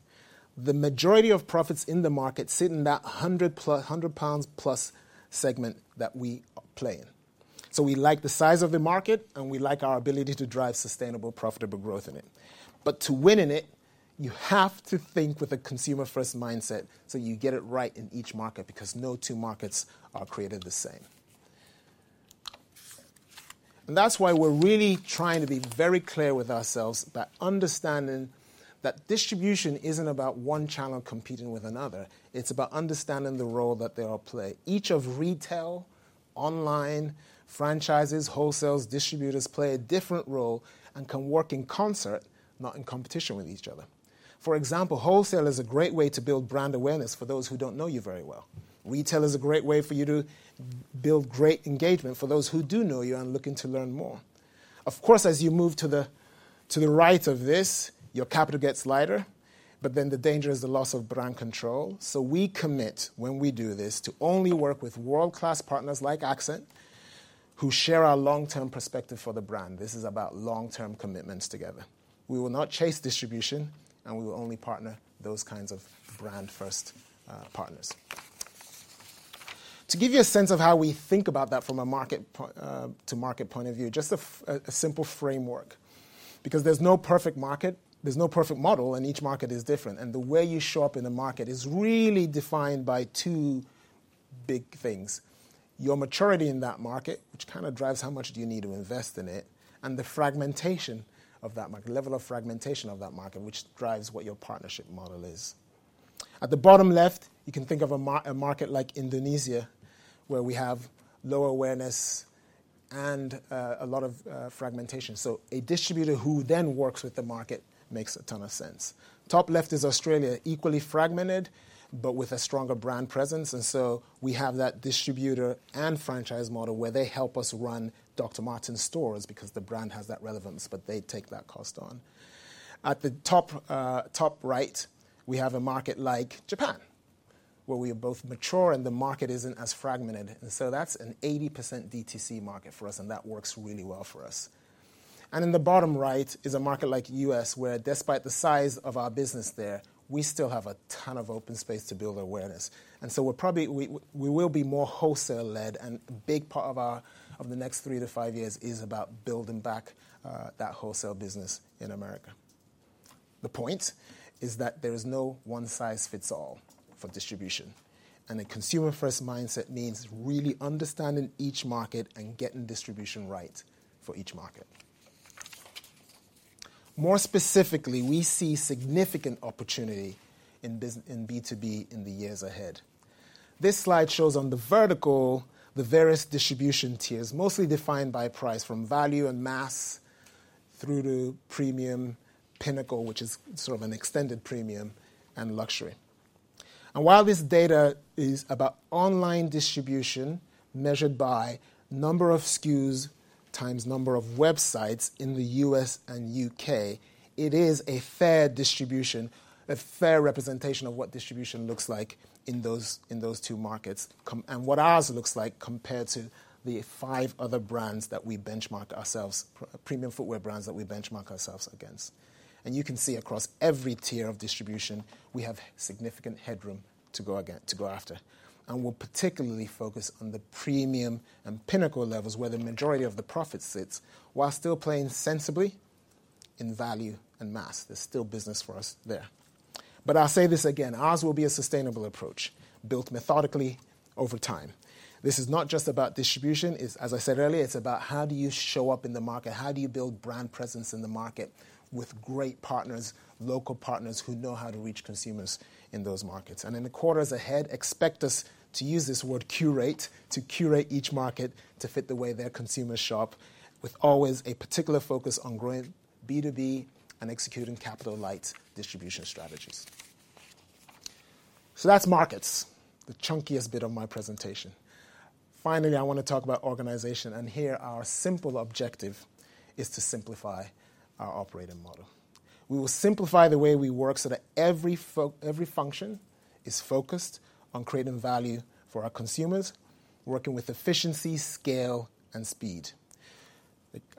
The majority of profits in the market sit in that 100 pounds plus segment that we play in. We like the size of the market, and we like our ability to drive sustainable, profitable growth in it. To win in it, you have to think with a consumer-first mindset so you get it right in each market because no two markets are created the same. That is why we're really trying to be very clear with ourselves about understanding that distribution is not about one channel competing with another. It is about understanding the role that they all play. Each of retail, online, franchises, wholesale, distributors play a different role and can work in concert, not in competition with each other. For example, wholesale is a great way to build brand awareness for those who do not know you very well. Retail is a great way for you to build great engagement for those who do know you and are looking to learn more. Of course, as you move to the right of this, your capital gets lighter, but then the danger is the loss of brand control. We commit, when we do this, to only work with world-class partners like Accent, who share our long-term perspective for the brand. This is about long-term commitments together. We will not chase distribution, and we will only partner with those kinds of brand-first partners. To give you a sense of how we think about that from a market-to-market point of view, just a simple framework, because there is no perfect market, there is no perfect model, and each market is different. The way you show up in the market is really defined by two big things: your maturity in that market, which kind of drives how much you need to invest in it, and the fragmentation of that market, level of fragmentation of that market, which drives what your partnership model is. At the bottom left, you can think of a market like Indonesia, where we have low awareness and a lot of fragmentation. A distributor who then works with the market makes a ton of sense. Top left is Australia, equally fragmented, but with a stronger brand presence. We have that distributor and franchise model where they help us run Dr. Martens stores because the brand has that relevance, but they take that cost on. At the top right, we have a market like Japan, where we are both mature and the market is not as fragmented. That is an 80% DTC market for us, and that works really well for us. In the bottom right is a market like the US, where, despite the size of our business there, we still have a ton of open space to build awareness. We will be more wholesale-led, and a big part of the next three to five years is about building back that wholesale business in America. The point is that there is no one-size-fits-all for distribution. A consumer-first mindset means really understanding each market and getting distribution right for each market. More specifically, we see significant opportunity in B2B in the years ahead. This slide shows on the vertical the various distribution tiers, mostly defined by price from value and mass through to premium, pinnacle, which is sort of an extended premium, and luxury. While this data is about online distribution measured by number of SKUs times number of websites in the U.S. and U.K., it is a fair representation of what distribution looks like in those two markets and what ours looks like compared to the five other brands that we benchmark ourselves, premium footwear brands that we benchmark ourselves against. You can see across every tier of distribution, we have significant headroom to go after. We will particularly focus on the premium and pinnacle levels, where the majority of the profit sits, while still playing sensibly in value and mass. There is still business for us there. I will say this again, ours will be a sustainable approach built methodically over time. This is not just about distribution. As I said earlier, it's about how do you show up in the market, how do you build brand presence in the market with great partners, local partners who know how to reach consumers in those markets. In the quarters ahead, expect us to use this word curate to curate each market to fit the way their consumers shop, with always a particular focus on growing B2B and executing capital-light distribution strategies. That's markets, the chunkiest bit of my presentation. Finally, I want to talk about organization. Here, our simple objective is to simplify our operating model. We will simplify the way we work so that every function is focused on creating value for our consumers, working with efficiency, scale, and speed.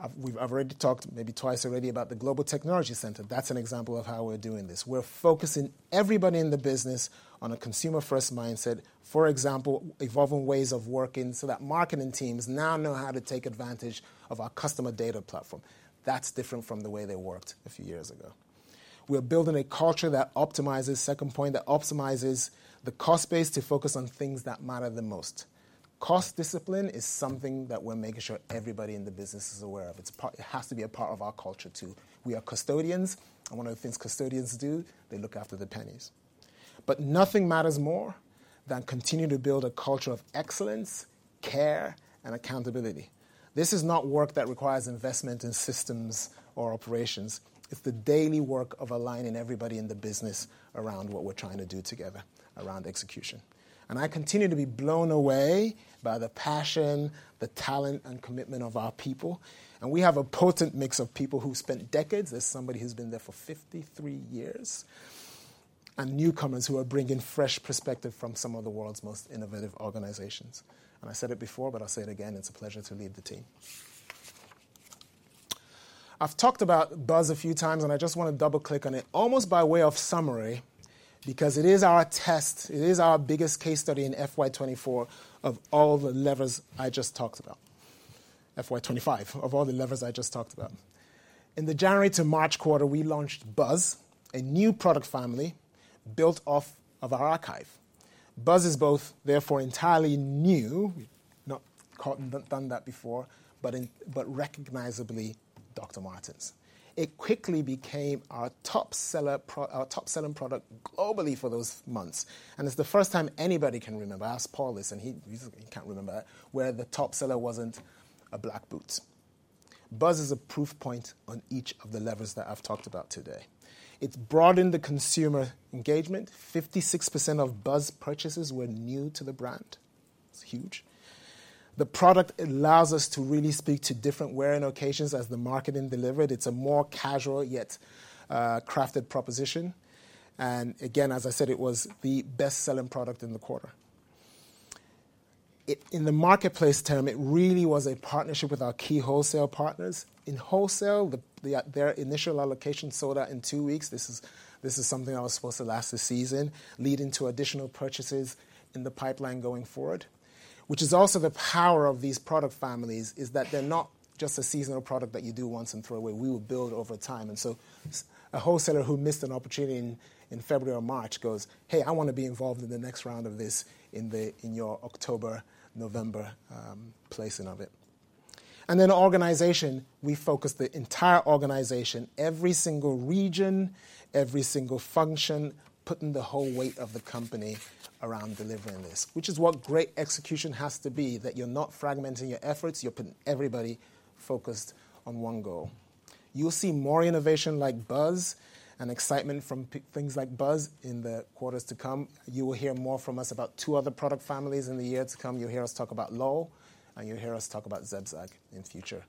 I've already talked maybe twice already about the Global Technology Center. That's an example of how we're doing this. We're focusing everybody in the business on a consumer-first mindset, for example, evolving ways of working so that marketing teams now know how to take advantage of our customer data platform. That's different from the way they worked a few years ago. We are building a culture that optimizes, second point, that optimizes the cost base to focus on things that matter the most. Cost discipline is something that we're making sure everybody in the business is aware of. It has to be a part of our culture too. We are custodians. One of the things custodians do, they look after the pennies. Nothing matters more than continuing to build a culture of excellence, care, and accountability. This is not work that requires investment in systems or operations. It's the daily work of aligning everybody in the business around what we're trying to do together, around execution. I continue to be blown away by the passion, the talent, and commitment of our people. We have a potent mix of people who spent decades, as somebody who's been there for 53 years, and newcomers who are bringing fresh perspective from some of the world's most innovative organizations. I said it before, but I'll say it again. It's a pleasure to lead the team. I've talked about Buzz a few times, and I just want to double-click on it almost by way of summary because it is our test. It is our biggest case study in FY24 of all the levers I just talked about, FY25, of all the levers I just talked about. In the January to March quarter, we launched Buzz, a new product family built off of our archive. Buzz is both, therefore, entirely new, not done that before, but recognizably Dr. Martens. It quickly became our top-selling product globally for those months. It is the first time anybody can remember—I asked Paul this, and he cannot remember—that the top seller was not a black boot. Buzz is a proof point on each of the levers that I have talked about today. It has broadened the consumer engagement. 56% of Buzz purchases were new to the brand. It is huge. The product allows us to really speak to different wearing occasions as the marketing delivered. It is a more casual yet crafted proposition. As I said, it was the best-selling product in the quarter. In the marketplace term, it really was a partnership with our key wholesale partners. In wholesale, their initial allocation sold out in two weeks. This is something that was supposed to last a season, leading to additional purchases in the pipeline going forward. Which is also the power of these product families is that they're not just a seasonal product that you do once and throw away. We will build over time. A wholesaler who missed an opportunity in February or March goes, "Hey, I want to be involved in the next round of this in your October, November placing of it." As an organization, we focus the entire organization, every single region, every single function, putting the whole weight of the company around delivering this, which is what great execution has to be, that you're not fragmenting your efforts. You're putting everybody focused on one goal. You'll see more innovation like Buzz and excitement from things like Buzz in the quarters to come. You will hear more from us about two other product families in the years to come. You'll hear us talk about LOL, and you'll hear us talk about Zeb Zag in future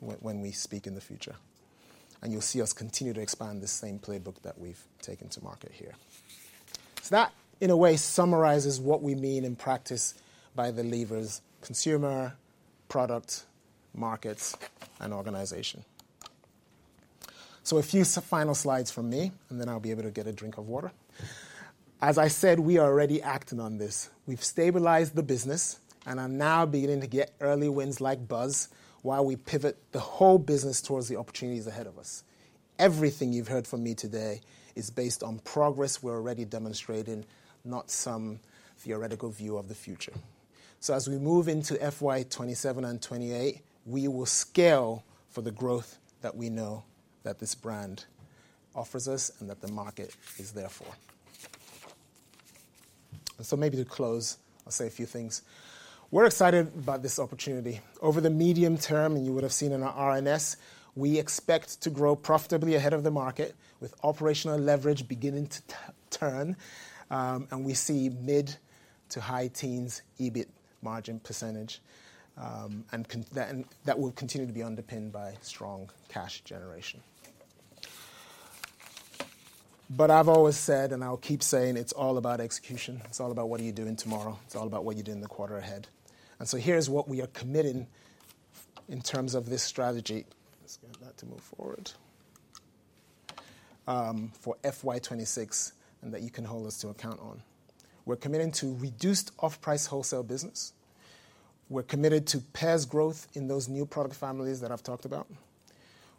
when we speak in the future. You'll see us continue to expand this same playbook that we've taken to market here. That, in a way, summarizes what we mean in practice by the levers: consumer, product, markets, and organization. A few final slides from me, and then I'll be able to get a drink of water. As I said, we are already acting on this. We've stabilized the business, and I'm now beginning to get early wins like Buzz while we pivot the whole business towards the opportunities ahead of us. Everything you've heard from me today is based on progress we're already demonstrating, not some theoretical view of the future. As we move into FY27 and 2028, we will scale for the growth that we know this brand offers us and that the market is there for. Maybe to close, I'll say a few things. We're excited about this opportunity. Over the medium term, and you would have seen in our RNS, we expect to grow profitably ahead of the market with operational leverage beginning to turn. We see mid to high teens EBIT margin percentage. That will continue to be underpinned by strong cash generation. I've always said, and I'll keep saying, it's all about execution. It's all about what are you doing tomorrow. It's all about what you do in the quarter ahead. Here's what we are committing in terms of this strategy. Let's get that to move forward for FY26 and that you can hold us to account on. We're committing to reduced off-price wholesale business. We're committed to pairs growth in those new product families that I've talked about.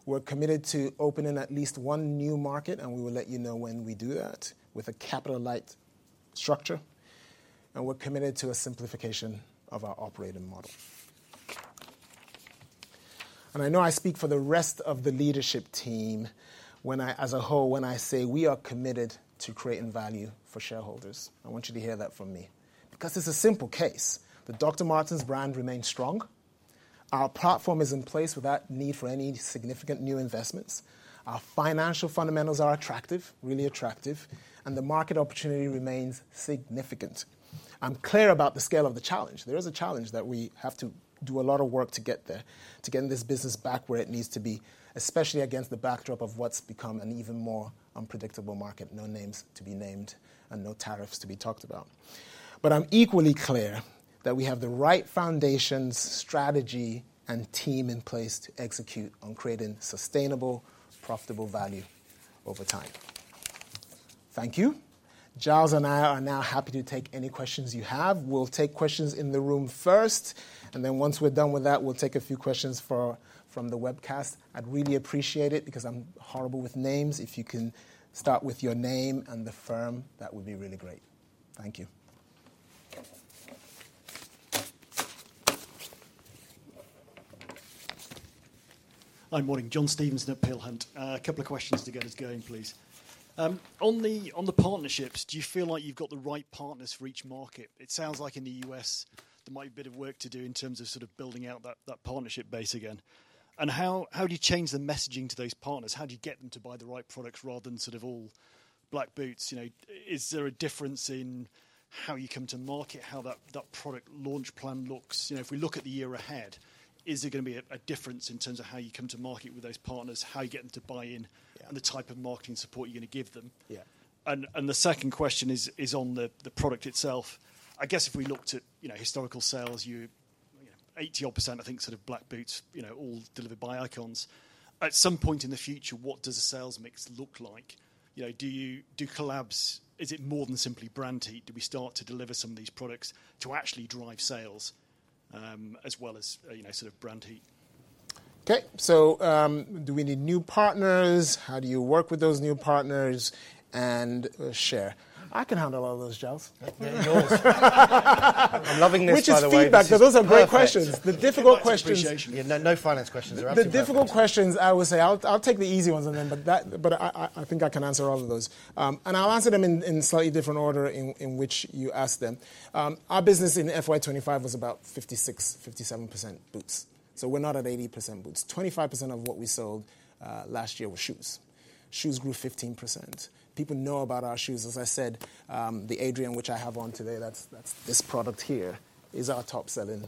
We're committed to opening at least one new market, and we will let you know when we do that with a capital-light structure. We're committed to a simplification of our operating model. I know I speak for the rest of the leadership team as a whole when I say we are committed to creating value for shareholders. I want you to hear that from me because it's a simple case. The Dr. Martens brand remains strong. Our platform is in place without need for any significant new investments. Our financial fundamentals are attractive, really attractive, and the market opportunity remains significant. I'm clear about the scale of the challenge. There is a challenge that we have to do a lot of work to get there, to get this business back where it needs to be, especially against the backdrop of what has become an even more unpredictable market, no names to be named and no tariffs to be talked about. I am equally clear that we have the right foundations, strategy, and team in place to execute on creating sustainable, profitable value over time. Thank you. Giles and I are now happy to take any questions you have. We will take questions in the room first. Once we are done with that, we will take a few questions from the webcast. I would really appreciate it because I am horrible with names. If you can start with your name and the firm, that would be really great. Thank you. Hi, morning. John Stevenson at Peel Hunt. A couple of questions to get us going, please. On the partnerships, do you feel like you've got the right partners for each market? It sounds like in the US, there might be a bit of work to do in terms of sort of building out that partnership base again. How do you change the messaging to those partners? How do you get them to buy the right products rather than sort of all black boots? Is there a difference in how you come to market, how that product launch plan looks? If we look at the year ahead, is there going to be a difference in terms of how you come to market with those partners, how you get them to buy in, and the type of marketing support you're going to give them? The second question is on the product itself. I guess if we looked at historical sales, 80%, I think, sort of black boots, all delivered by Icons. At some point in the future, what does the sales mix look like? Do collabs, is it more than simply brand heat? Do we start to deliver some of these products to actually drive sales as well as sort of brand heat? Okay. Do we need new partners? How do you work with those new partners? Share. I can handle all those, Giles. I'm loving this, by the way. Which is feedback because those are great questions. The difficult questions. Appreciation. No finance questions are up there. The difficult questions, I will say, I'll take the easy ones on them, but I think I can answer all of those. I'll answer them in slightly different order in which you ask them. Our business in FY25 was about 56-57% boots. We're not at 80% boots. 25% of what we sold last year were shoes. Shoes grew 15%. People know about our shoes. As I said, the Adrian, which I have on today, that's this product here, is our top-selling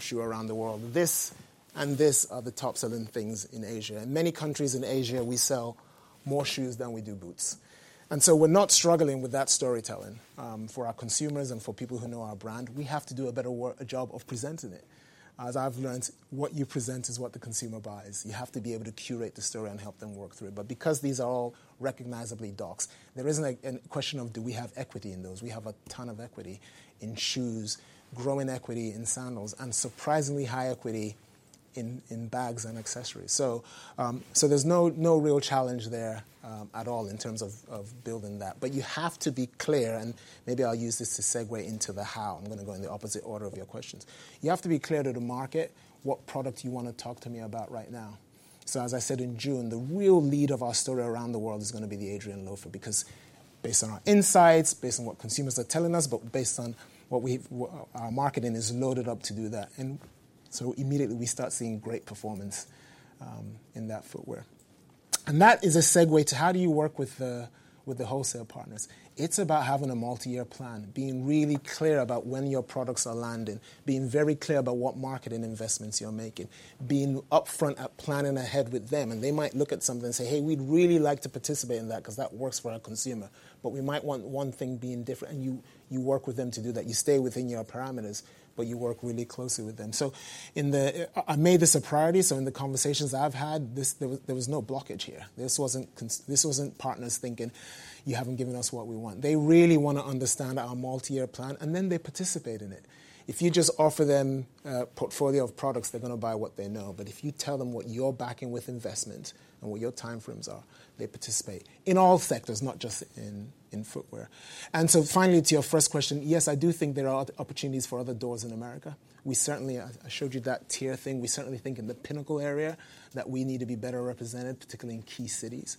shoe around the world. This and this are the top-selling things in Asia. In many countries in Asia, we sell more shoes than we do boots. We're not struggling with that storytelling for our consumers and for people who know our brand. We have to do a better job of presenting it. As I've learned, what you present is what the consumer buys. You have to be able to curate the story and help them work through it. Because these are all recognizably Docs, there is not a question of do we have equity in those. We have a ton of equity in shoes, growing equity in sandals, and surprisingly high equity in bags and accessories. There is no real challenge there at all in terms of building that. You have to be clear, and maybe I will use this to segue into the how. I am going to go in the opposite order of your questions. You have to be clear to the market what product you want to talk to me about right now. As I said in June, the real lead of our story around the world is going to be the Adrian Loafer because based on our insights, based on what consumers are telling us, based on what our marketing is loaded up to do that. Immediately, we start seeing great performance in that footwear. That is a segue to how do you work with the wholesale partners. It is about having a multi-year plan, being really clear about when your products are landing, being very clear about what marketing investments you are making, being upfront at planning ahead with them. They might look at something and say, "Hey, we would really like to participate in that because that works for our consumer." We might want one thing being different. You work with them to do that. You stay within your parameters, but you work really closely with them. I made this a priority. In the conversations I've had, there was no blockage here. This was not partners thinking, "You haven't given us what we want." They really want to understand our multi-year plan, and then they participate in it. If you just offer them a portfolio of products, they're going to buy what they know. If you tell them what you're backing with investment and what your time frames are, they participate in all sectors, not just in footwear. Finally, to your first question, yes, I do think there are opportunities for other doors in America. I showed you that tier thing. We certainly think in the pinnacle area that we need to be better represented, particularly in key cities.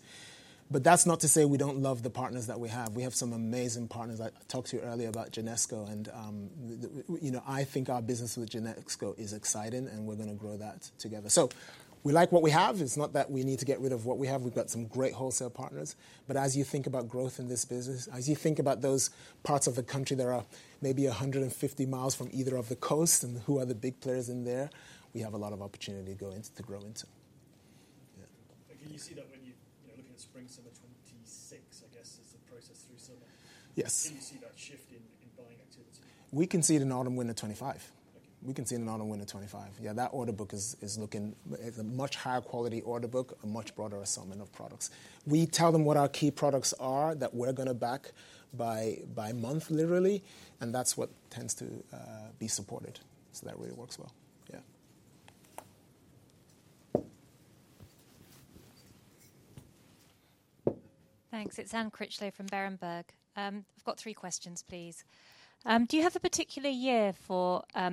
That is not to say we do not love the partners that we have. We have some amazing partners. I talked to you earlier about Genesco. I think our business with Genesco is exciting, and we are going to grow that together. We like what we have. It is not that we need to get rid of what we have. We have some great wholesale partners. As you think about growth in this business, as you think about those parts of the country that are maybe 150 mi from either of the coasts and who are the big players in there, we have a lot of opportunity to grow into. Can you see that when you're looking at spring summer 2026, I guess, as the process through summer? Yes. Can you see that shift in buying activity? We can see it in autumn winter 2025. Yeah, that order book is looking at a much higher quality order book, a much broader assignment of products. We tell them what our key products are that we are going to back by month, literally. That is what tends to be supported. That really works well. Yeah. Thanks. It is Ann Critchley from Berenberg. I have got three questions, please. Do you have a particular year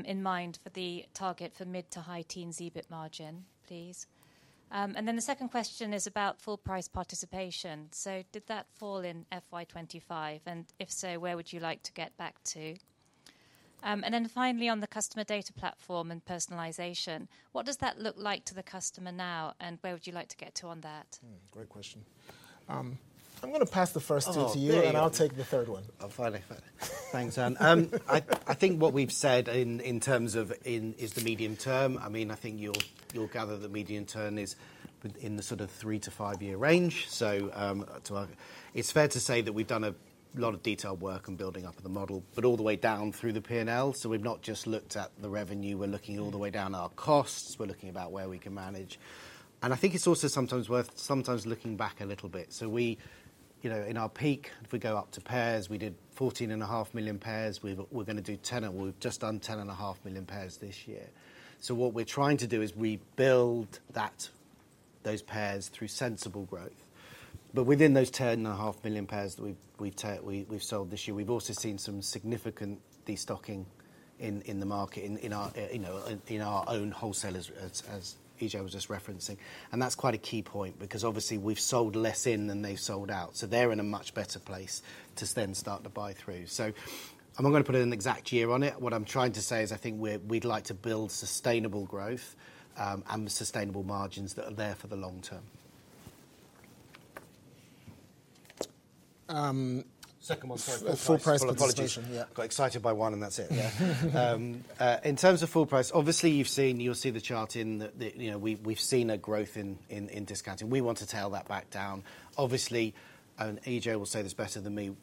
in mind for the target for mid to high teens EBIT margin, please? The second question is about full price participation. Did that fall in FY25? If so, where would you like to get back to? Finally, on the customer data platform and personalization, what does that look like to the customer now? Where would you like to get to on that? Great question. I'm going to pass the first two to you, and I'll take the third one. Finally, finally. Thanks, Ann. I think what we've said in terms of is the medium term, I mean, I think you'll gather the medium term is in the sort of three to five-year range. It's fair to say that we've done a lot of detailed work on building up the model, but all the way down through the P&L. We've not just looked at the revenue. We're looking all the way down our costs. We're looking about where we can manage. I think it's also sometimes worth sometimes looking back a little bit. In our peak, if we go up to pairs, we did 14.5 million pairs. We're going to do 10. We've just done 10.5 million pairs this year. What we're trying to do is rebuild those pairs through sensible growth. Within those 10.5 million pairs that we've sold this year, we've also seen some significant destocking in the market in our own wholesalers, as E.J. was just referencing. That's quite a key point because obviously, we've sold less in than they've sold out. They're in a much better place to then start to buy through. I'm not going to put an exact year on it. What I'm trying to say is I think we'd like to build sustainable growth and sustainable margins that are there for the long term. Second one. Sorry. Full price position. Apologies. Yeah. Got excited by one, and that's it. In terms of full price, obviously, you'll see the chart in that we've seen a growth in discounting. We want to tail that back down. Obviously, and E.J. will say this better than me,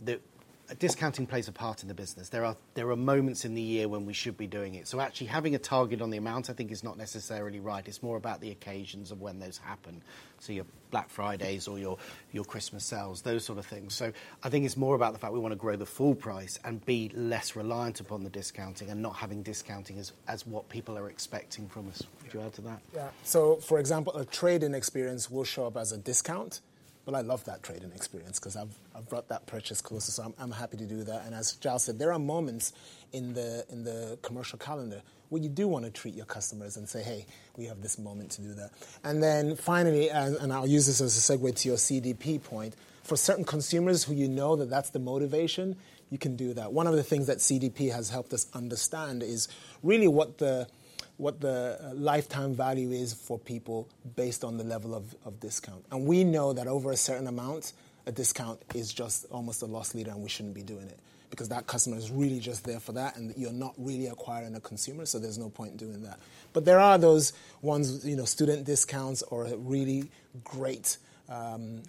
discounting plays a part in the business. There are moments in the year when we should be doing it. Actually having a target on the amount, I think, is not necessarily right. It's more about the occasions of when those happen. Your Black Fridays or your Christmas sales, those sort of things. I think it's more about the fact we want to grow the full price and be less reliant upon the discounting and not having discounting as what people are expecting from us. Would you add to that? Yeah. For example, a trade-in experience will show up as a discount. I love that trade-in experience because I've brought that purchase closer. I'm happy to do that. As Giles said, there are moments in the commercial calendar where you do want to treat your customers and say, "Hey, we have this moment to do that." Finally, and I'll use this as a segue to your CDP point, for certain consumers who you know that that's the motivation, you can do that. One of the things that CDP has helped us understand is really what the lifetime value is for people based on the level of discount. We know that over a certain amount, a discount is just almost a loss leader, and we should not be doing it because that customer is really just there for that, and you are not really acquiring a consumer, so there is no point doing that. There are those ones, student discounts or a really great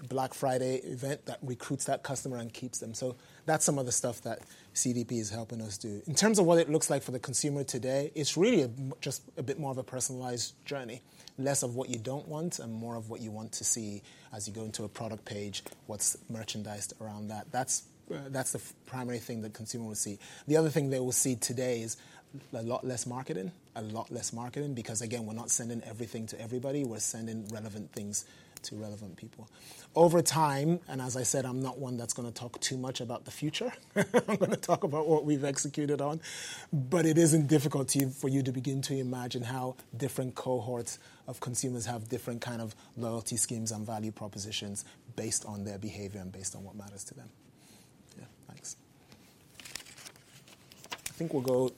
Black Friday event that recruits that customer and keeps them. That is some of the stuff that CDP is helping us do. In terms of what it looks like for the consumer today, it is really just a bit more of a personalized journey, less of what you do not want and more of what you want to see as you go into a product page, what is merchandised around that. That is the primary thing that consumers will see. The other thing they will see today is a lot less marketing, a lot less marketing because, again, we're not sending everything to everybody. We're sending relevant things to relevant people. Over time, and as I said, I'm not one that's going to talk too much about the future. I'm going to talk about what we've executed on. It isn't difficult for you to begin to imagine how different cohorts of consumers have different kinds of loyalty schemes and value propositions based on their behavior and based on what matters to them. Yeah, thanks. I think we'll go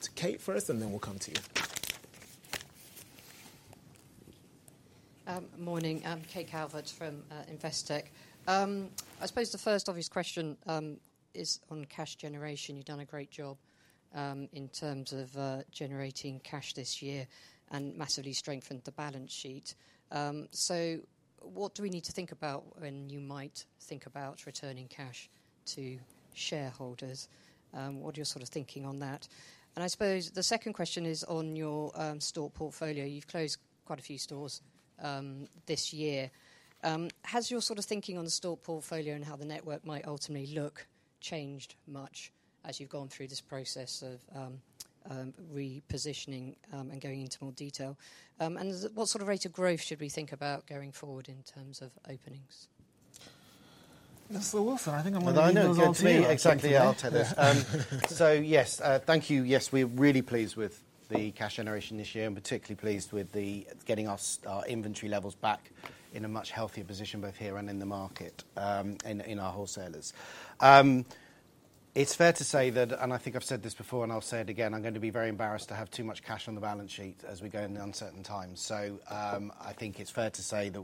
to Kate first, and then we'll come to you. Morning. Kate Galverd from Investec. I suppose the first obvious question is on cash generation. You've done a great job in terms of generating cash this year and massively strengthened the balance sheet. What do we need to think about when you might think about returning cash to shareholders? What are your sort of thinking on that? I suppose the second question is on your store portfolio. You've closed quite a few stores this year. Has your sort of thinking on the store portfolio and how the network might ultimately look changed much as you've gone through this process of repositioning and going into more detail? What sort of rate of growth should we think about going forward in terms of openings? That's so awesome. I think I'm going to go to you. Exactly. I'll take this. Yes, thank you. Yes, we're really pleased with the cash generation this year and particularly pleased with getting our inventory levels back in a much healthier position both here and in the market in our wholesalers. It's fair to say that, and I think I've said this before, and I'll say it again, I'm going to be very embarrassed to have too much cash on the balance sheet as we go into uncertain times. I think it's fair to say that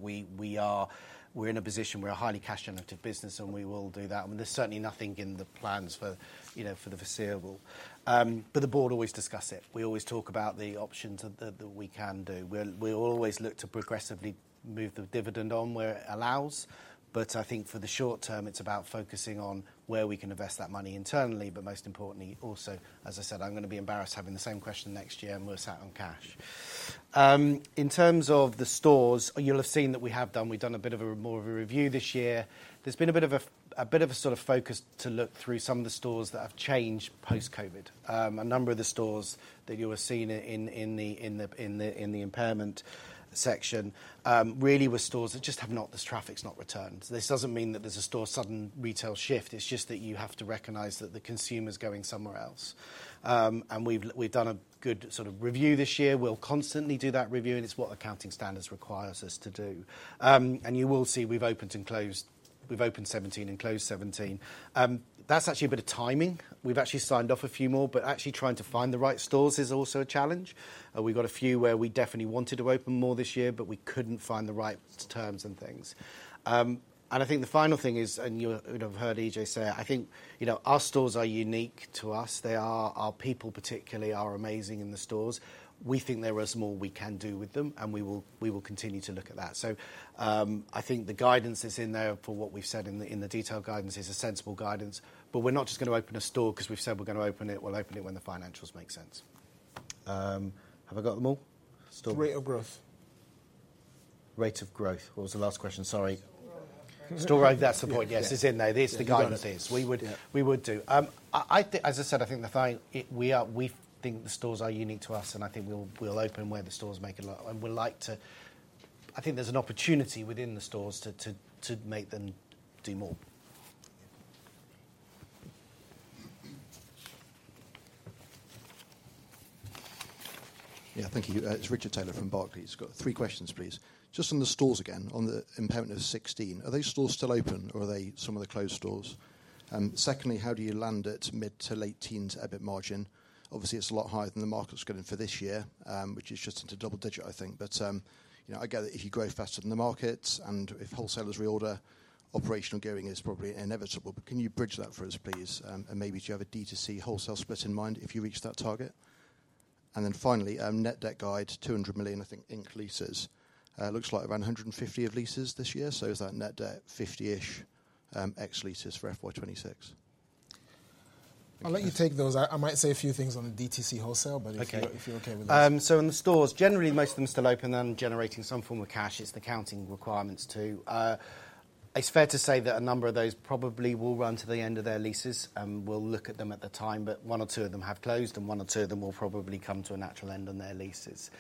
we're in a position, we're a highly cash-generative business, and we will do that. I mean, there's certainly nothing in the plans for the foreseeable. The board always discusses it. We always talk about the options that we can do. We'll always look to progressively move the dividend on where it allows. I think for the short term, it's about focusing on where we can invest that money internally. Most importantly, also, as I said, I'm going to be embarrassed having the same question next year and we're sat on cash. In terms of the stores, you'll have seen that we have done a bit of a more of a review this year. There's been a bit of a sort of focus to look through some of the stores that have changed post-COVID. A number of the stores that you were seeing in the impairment section really were stores that just have not, this traffic's not returned. This doesn't mean that there's a store sudden retail shift. It's just that you have to recognize that the consumer's going somewhere else. We've done a good sort of review this year. We'll constantly do that review. It is what accounting standards require us to do. You will see we have opened and closed. We have opened 17 and closed 17. That is actually a bit of timing. We have actually signed off a few more. Actually trying to find the right stores is also a challenge. We have a few where we definitely wanted to open more this year, but we could not find the right terms and things. I think the final thing is, and you will have heard E.J. say it, I think our stores are unique to us. Our people particularly are amazing in the stores. We think there is more we can do with them, and we will continue to look at that. I think the guidance that is in there for what we have said in the detailed guidance is a sensible guidance. We're not just going to open a store because we've said we're going to open it. We'll open it when the financials make sense. Have I got them all? Rate of growth. Rate of growth. What was the last question? Sorry. Store growth, that is the point. Yes, it is in there. It is the guidance. We would do. As I said, I think we think the stores are unique to us, and I think we will open where the stores make it. I think there is an opportunity within the stores to make them do more. Yeah, thank you. It's Richard Taylor from Barclays. Got three questions, please. Just on the stores again, on the impairment of 16, are those stores still open, or are they some of the closed stores? Secondly, how do you land at mid to late teens EBIT margin? Obviously, it's a lot higher than the market's going for this year, which is just into double digit, I think. I get that if you grow faster than the markets and if wholesalers reorder, operational going is probably inevitable. Can you bridge that for us, please? Maybe do you have a DTC wholesale split in mind if you reach that target? Finally, net debt guide, 200 million, I think, increases. Looks like around 150 million of leases this year. Is that net debt 50 million-ish ex-leases for FY26? I'll let you take those. I might say a few things on the DTC wholesale, if you're okay with that. In the stores, generally, most of them are still open and generating some form of cash. It is the accounting requirements too. It is fair to say that a number of those probably will run to the end of their leases. We will look at them at the time, but one or two of them have closed, and one or two of them will probably come to a natural end on their leases.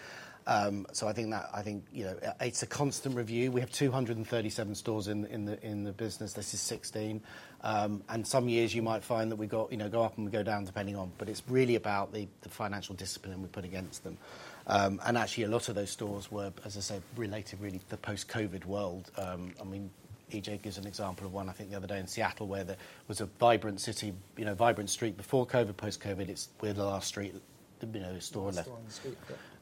I think it is a constant review. We have 237 stores in the business. This is 16. Some years you might find that we go up and we go down depending on the year. It is really about the financial discipline we put against them. Actually, a lot of those stores were, as I said, related really to the post-COVID world. I mean, E.J. gives an example of one, I think, the other day in Seattle where there was a vibrant city, vibrant street before COVID, post-COVID. It's we're the last street store left.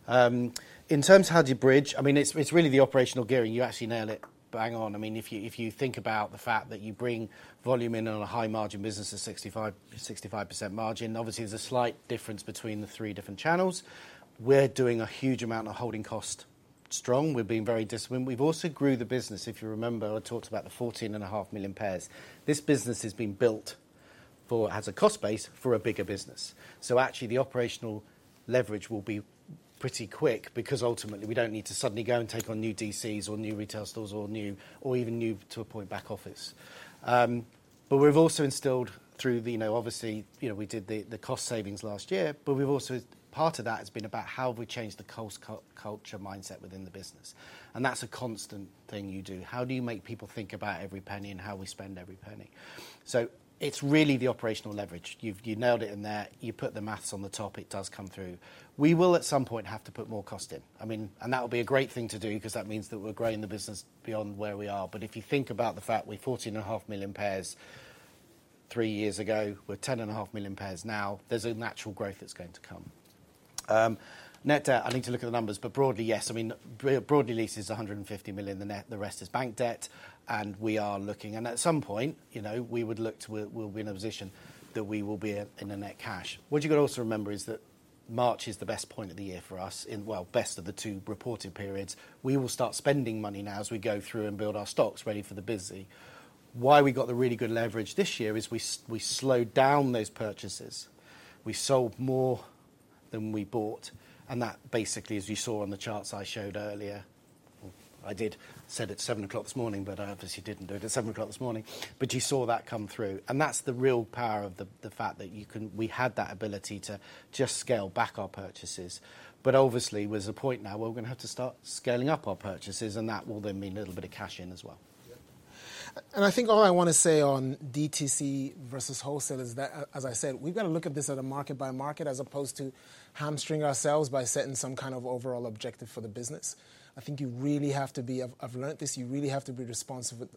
In terms of how do you bridge? I mean, it's really the operational gearing. You actually nail it, bang on. I mean, if you think about the fact that you bring volume in on a high margin business of 65% margin, obviously, there's a slight difference between the three different channels. We're doing a huge amount of holding cost strong. We've been very disciplined. We've also grew the business. If you remember, I talked about the 14.5 million pairs. This business has been built as a cost base for a bigger business. Actually, the operational leverage will be pretty quick because ultimately, we do not need to suddenly go and take on new DCs or new retail stores or even new, to a point, back office. We have also instilled, obviously, we did the cost savings last year. Part of that has been about how have we changed the cost culture mindset within the business. That is a constant thing you do. How do you make people think about every penny and how we spend every penny? It is really the operational leverage. You nailed it in there. You put the maths on the top. It does come through. We will at some point have to put more cost in. I mean, and that will be a great thing to do because that means that we are growing the business beyond where we are. If you think about the fact we're 14.5 million pairs three years ago, we're 10.5 million pairs now. There's a natural growth that's going to come. Net debt, I need to look at the numbers, but broadly, yes. I mean, broadly, lease is 150 million. The rest is bank debt. We are looking. At some point, we would look to, we'll be in a position that we will be in a net cash. What you've got to also remember is that March is the best point of the year for us, best of the two reporting periods. We will start spending money now as we go through and build our stocks ready for the busy. Why we got the really good leverage this year is we slowed down those purchases. We sold more than we bought. That basically, as you saw on the charts I showed earlier, I did say at 7:00 A.M. this morning, but I obviously did not do it at 7:00 A.M. this morning. You saw that come through. That is the real power of the fact that we had that ability to just scale back our purchases. Obviously, there is a point now where we are going to have to start scaling up our purchases, and that will then mean a little bit of cash in as well. I think all I want to say on DTC versus wholesale is that, as I said, we have got to look at this at a market-by-market as opposed to hamstring ourselves by setting some kind of overall objective for the business. I think you really have to be, I have learned this, you really have to be responsive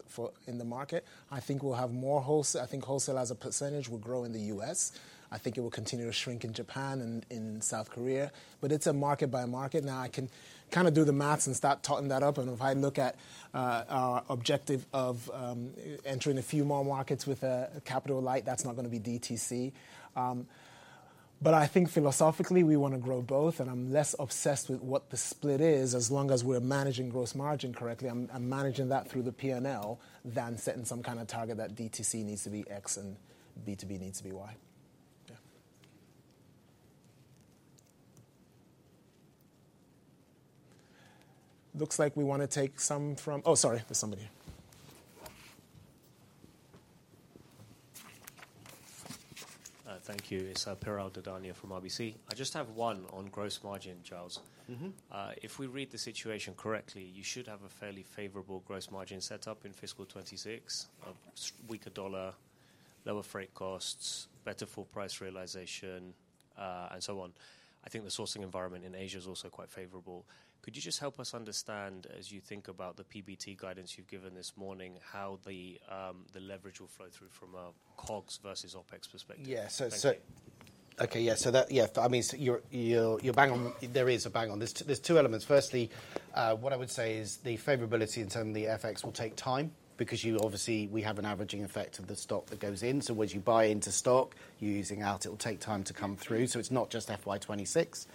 in the market. I think we will have more wholesale. I think wholesale as a percentage will grow in the US. I think it will continue to shrink in Japan and in South Korea. It is a market-by-market. Now, I can kind of do the maths and start totting that up. If I look at our objective of entering a few more markets with a capital light, that is not going to be DTC. I think philosophically, we want to grow both. I'm less obsessed with what the split is as long as we're managing gross margin correctly. I'm managing that through the P&L than setting some kind of target that DTC needs to be X and B2B needs to be Y. Yeah. Looks like we want to take some from oh, sorry, there's somebody here. Thank you. It's Piral Dadania from RBC. I just have one on gross margin, Giles. If we read the situation correctly, you should have a fairly favorable gross margin setup in fiscal 2026, a weaker dollar, lower freight costs, better full price realization, and so on. I think the sourcing environment in Asia is also quite favorable. Could you just help us understand, as you think about the PBT guidance you've given this morning, how the leverage will flow through from a COGS versus OPEX perspective? Yeah. Okay, yeah. So yeah, I mean, that is bang on. There are two elements. Firstly, what I would say is the favorability in terms of the FX will take time because obviously, we have an averaging effect of the stock that goes in. As you buy into stock, you're using out, it'll take time to come through. It's not just FY26.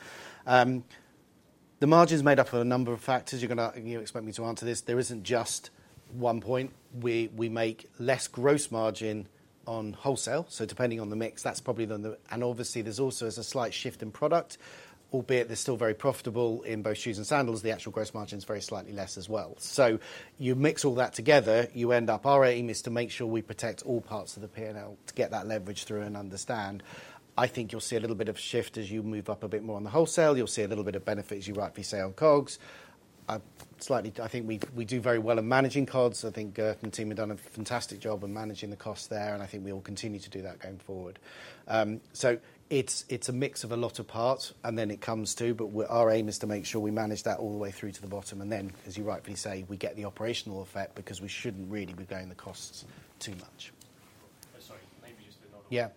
The margin is made up of a number of factors. You're going to expect me to answer this. There is not just one point. We make less gross margin on wholesale. Depending on the mix, that's probably the, and obviously, there's also a slight shift in product, albeit they're still very profitable in both shoes and sandals. The actual gross margin is very slightly less as well. You mix all that together. You end up, our aim is to make sure we protect all parts of the P&L to get that leverage through and understand. I think you'll see a little bit of a shift as you move up a bit more on the wholesale. You'll see a little bit of benefits, as you rightly say, on COGS. I think we do very well in managing COGS. I think Gert and team have done a fantastic job in managing the costs there. I think we will continue to do that going forward. It is a mix of a lot of parts. It comes to, but our aim is to make sure we manage that all the way through to the bottom. As you rightly say, we get the operational effect because we shouldn't really be growing the costs too much. Sorry, maybe just another one. As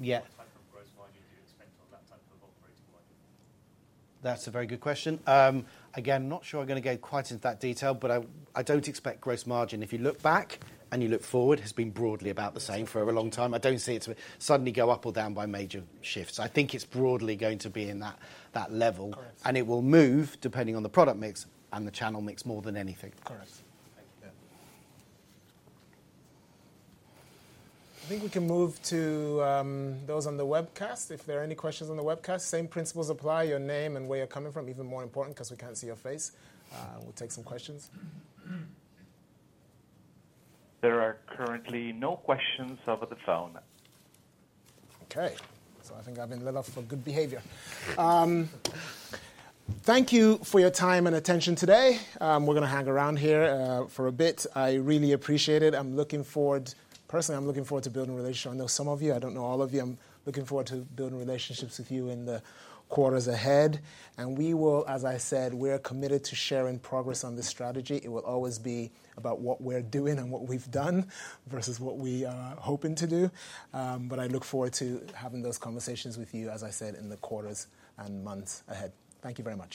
you get to a mid to high teens EBIT margin, what type of gross margin do you expect on that type of operating margin? That's a very good question. Again, not sure I'm going to go quite into that detail, but I don't expect gross margin, if you look back and you look forward, has been broadly about the same for a long time. I don't see it suddenly go up or down by major shifts. I think it's broadly going to be in that level. It will move depending on the product mix and the channel mix more than anything. Correct. I think we can move to those on the webcast. If there are any questions on the webcast, same principles apply. Your name and where you're coming from are even more important because we can't see your face. We'll take some questions. There are currently no questions over the phone. Okay. I think I've been let off for good behavior. Thank you for your time and attention today. We're going to hang around here for a bit. I really appreciate it. Personally, I'm looking forward to building relationships. I know some of you. I don't know all of you. I'm looking forward to building relationships with you in the quarters ahead. We will, as I said, we're committed to sharing progress on this strategy. It will always be about what we're doing and what we've done versus what we are hoping to do. I look forward to having those conversations with you, as I said, in the quarters and months ahead. Thank you very much.